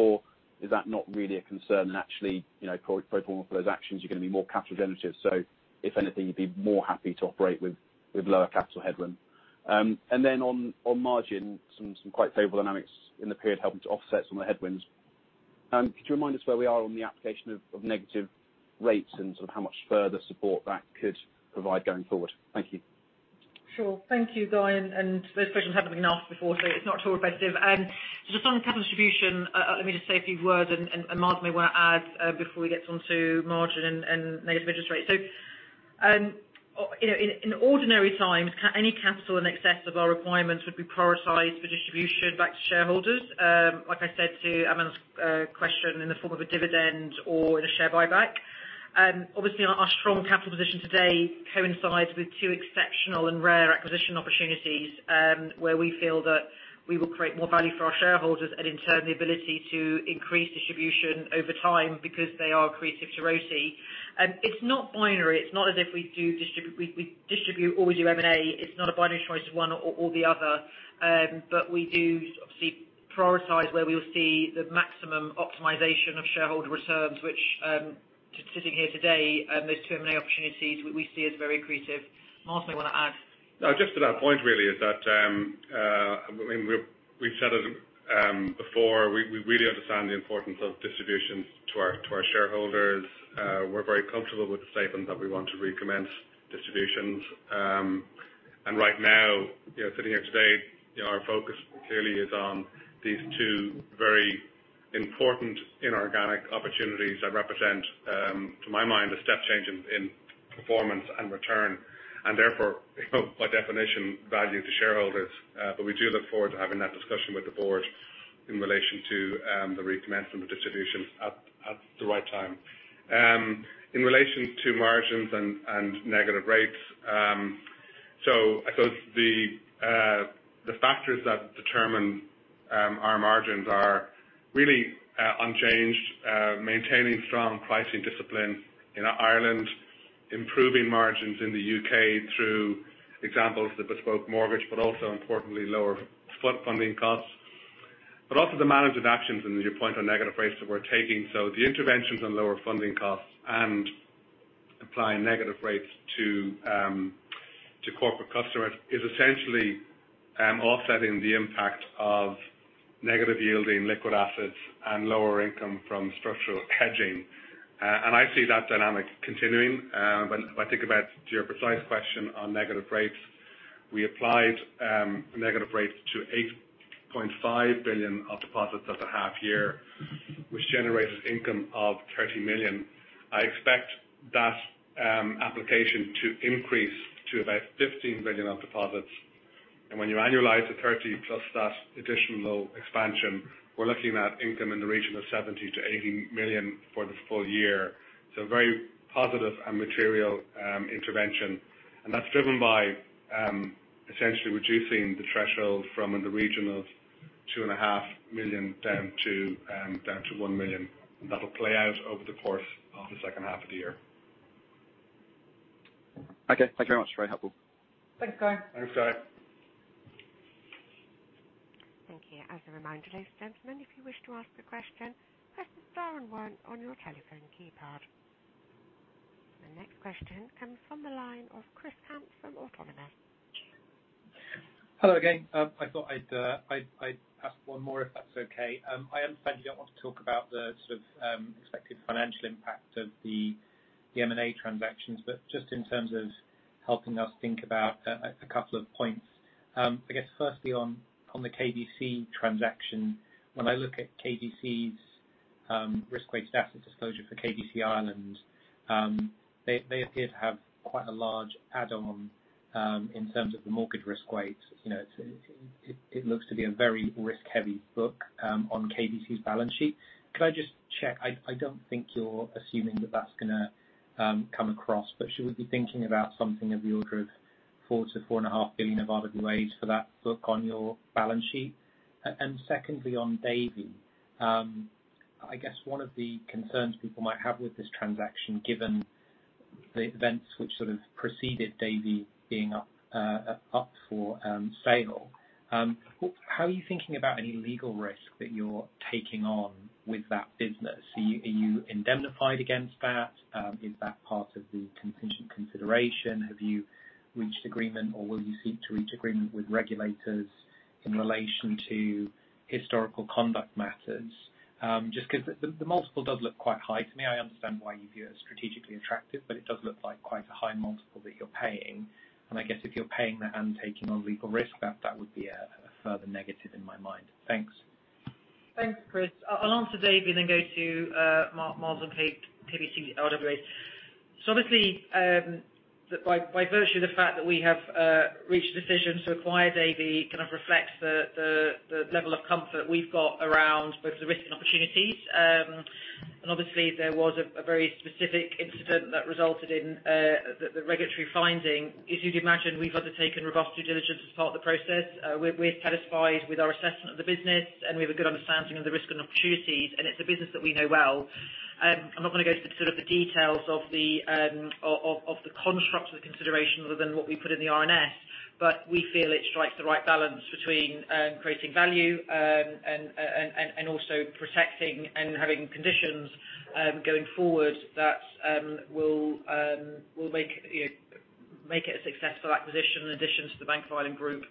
Is that not really a concern and actually, pro forma for those actions, you're going to be more capital generative, so if anything, you'd be more happy to operate with lower capital headroom. Then on margin, some quite favorable dynamics in the period helping to offset some of the headwinds. Could you remind us where we are on the application of negative rates and how much further support that could provide going forward? Thank you. Sure. Thank you, Guy. Those questions haven't been asked before, so it's not at all repetitive. Just on capital distribution, let me just say a few words, and Myles may want to add before we get onto margin and negative interest rates. In ordinary times, any capital in excess of our requirements would be prioritized for distribution back to shareholders. Like I said to Aman's question, in the form of a dividend or in a share buyback. Obviously our strong capital position today coincides with two exceptional and rare acquisition opportunities, where we feel that we will create more value for our shareholders and in turn the ability to increase distribution over time because they are accretive to ROCE. It's not binary. It's not as if we distribute or we do M&A. It's not a binary choice of one or the other. We do obviously prioritize where we will see the maximum optimization of shareholder returns, which, sitting here today, those two M&A opportunities we see as very accretive. Myles may want to add. Just to that point, we've said it before, we really understand the importance of distributions to our shareholders. We're very comfortable with the statement that we want to recommence distributions. Right now, sitting here today, our focus clearly is on these two very important inorganic opportunities that represent, to my mind, a step change in performance and return, and therefore by definition, value to shareholders. We do look forward to having that discussion with the board in relation to the recommencement of distributions at the right time. In relation to margins and negative rates, I suppose the factors that determine our margins are really unchanged. Maintaining strong pricing discipline in Ireland, improving margins in the U.K. through examples of the bespoke mortgage, but also importantly, lower spot funding costs. Also the management actions, and your point on negative rates that we're taking. The interventions on lower funding costs and applying negative rates to corporate customers is essentially offsetting the impact of negative yielding liquid assets and lower income from structural hedging. I see that dynamic continuing. When I think about your precise question on negative rates, we applied negative rates to 8.5 billion of deposits at the half year, which generated income of 30 million. I expect that application to increase to about 15 billion of deposits. When you annualize the 30 million plus that additional expansion, we are looking at income in the region of 70 million-80 million for the full year. A very positive and material intervention. That's driven by essentially reducing the threshold from in the region of 2.5 million down to 1 million. That'll play out over the course of the second half of the year. Okay. Thank you very much. Very helpful. Thanks, Guy. Thanks, Guy. Thank you. As a reminder, ladies and gentlemen, if you wish to ask a question, press star one on your telephone keypad. The next question comes from the line of Christopher Mayock from Autonomous. Hello again. I thought I'd ask one more, if that's okay. I understand you don't want to talk about the expected financial impact of the M&A transactions, but just in terms of helping us think about a couple of points. I guess firstly on the KBC transaction, when I look at KBC's risk-weighted asset disclosure for KBC Ireland, they appear to have quite a large add-on in terms of the mortgage risk weight. It looks to be a very risk-heavy book on KBC's balance sheet. Could I just check, I don't think you're assuming that that's going to come across, but should we be thinking about something of the order of 4 billion-4.5 billion of RWAs for that book on your balance sheet? Secondly, on Davy. I guess one of the concerns people might have with this transaction, given the events which sort of preceded Davy being up for sale. How are you thinking about any legal risk that you're taking on with that business? Are you indemnified against that? Is that part of the contingent consideration? Have you reached agreement or will you seek to reach agreement with regulators in relation to historical conduct matters? Just because the multiple does look quite high to me. I understand why you view it as strategically attractive, but it does look like quite a high multiple that you're paying. I guess if you're paying that and taking on legal risk, that would be a further negative in my mind. Thanks. Thanks, Chris. I'll answer Davy, go to Myles on KBC RWAs. Obviously, by virtue of the fact that we have reached a decision to acquire Davy, kind of reflects the level of comfort we've got around both the risks and opportunities. Obviously there was a very specific incident that resulted in the regulatory finding. As you'd imagine, we've undertaken robust due diligence as part of the process. We're satisfied with our assessment of the business, we have a good understanding of the risks and opportunities, it's a business that we know well. I'm not going to go into sort of the details of the construct of the consideration, other than what we put in the RNS. We feel it strikes the right balance between creating value and also protecting and having conditions going forward that will make it a successful acquisition in addition to the Bank of Ireland Group.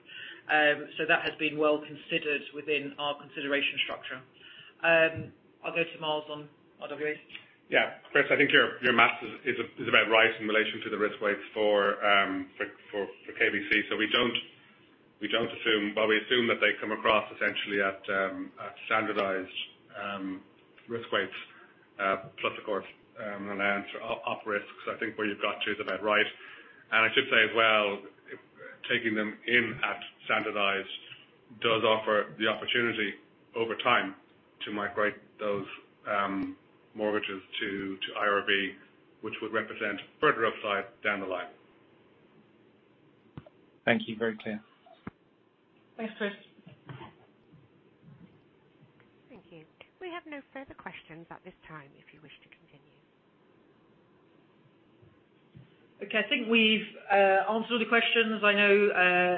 That has been well considered within our consideration structure. I'll go to Myles on RWAs. Yeah. Chris, I think your maths is about right in relation to the risk weights for KBC. Well, we assume that they come across essentially at standardized risk weights, plus of course, allowance for op risks. I think where you've got to is about right. I should say as well, taking them in at standardized does offer the opportunity over time to migrate those mortgages to IRB, which would represent further upside down the line. Thank you. Very clear. Thanks, Chris. Thank you. We have no further questions at this time, if you wish to continue. Okay. I think we’ve answered all the questions. I know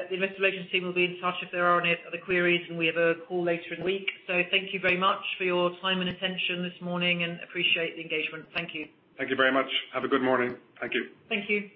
the investor relations team will be in touch if there are any other queries, and we have a call later in the week. Thank you very much for your time and attention this morning and appreciate the engagement. Thank you. Thank you very much. Have a good morning. Thank you. Thank you.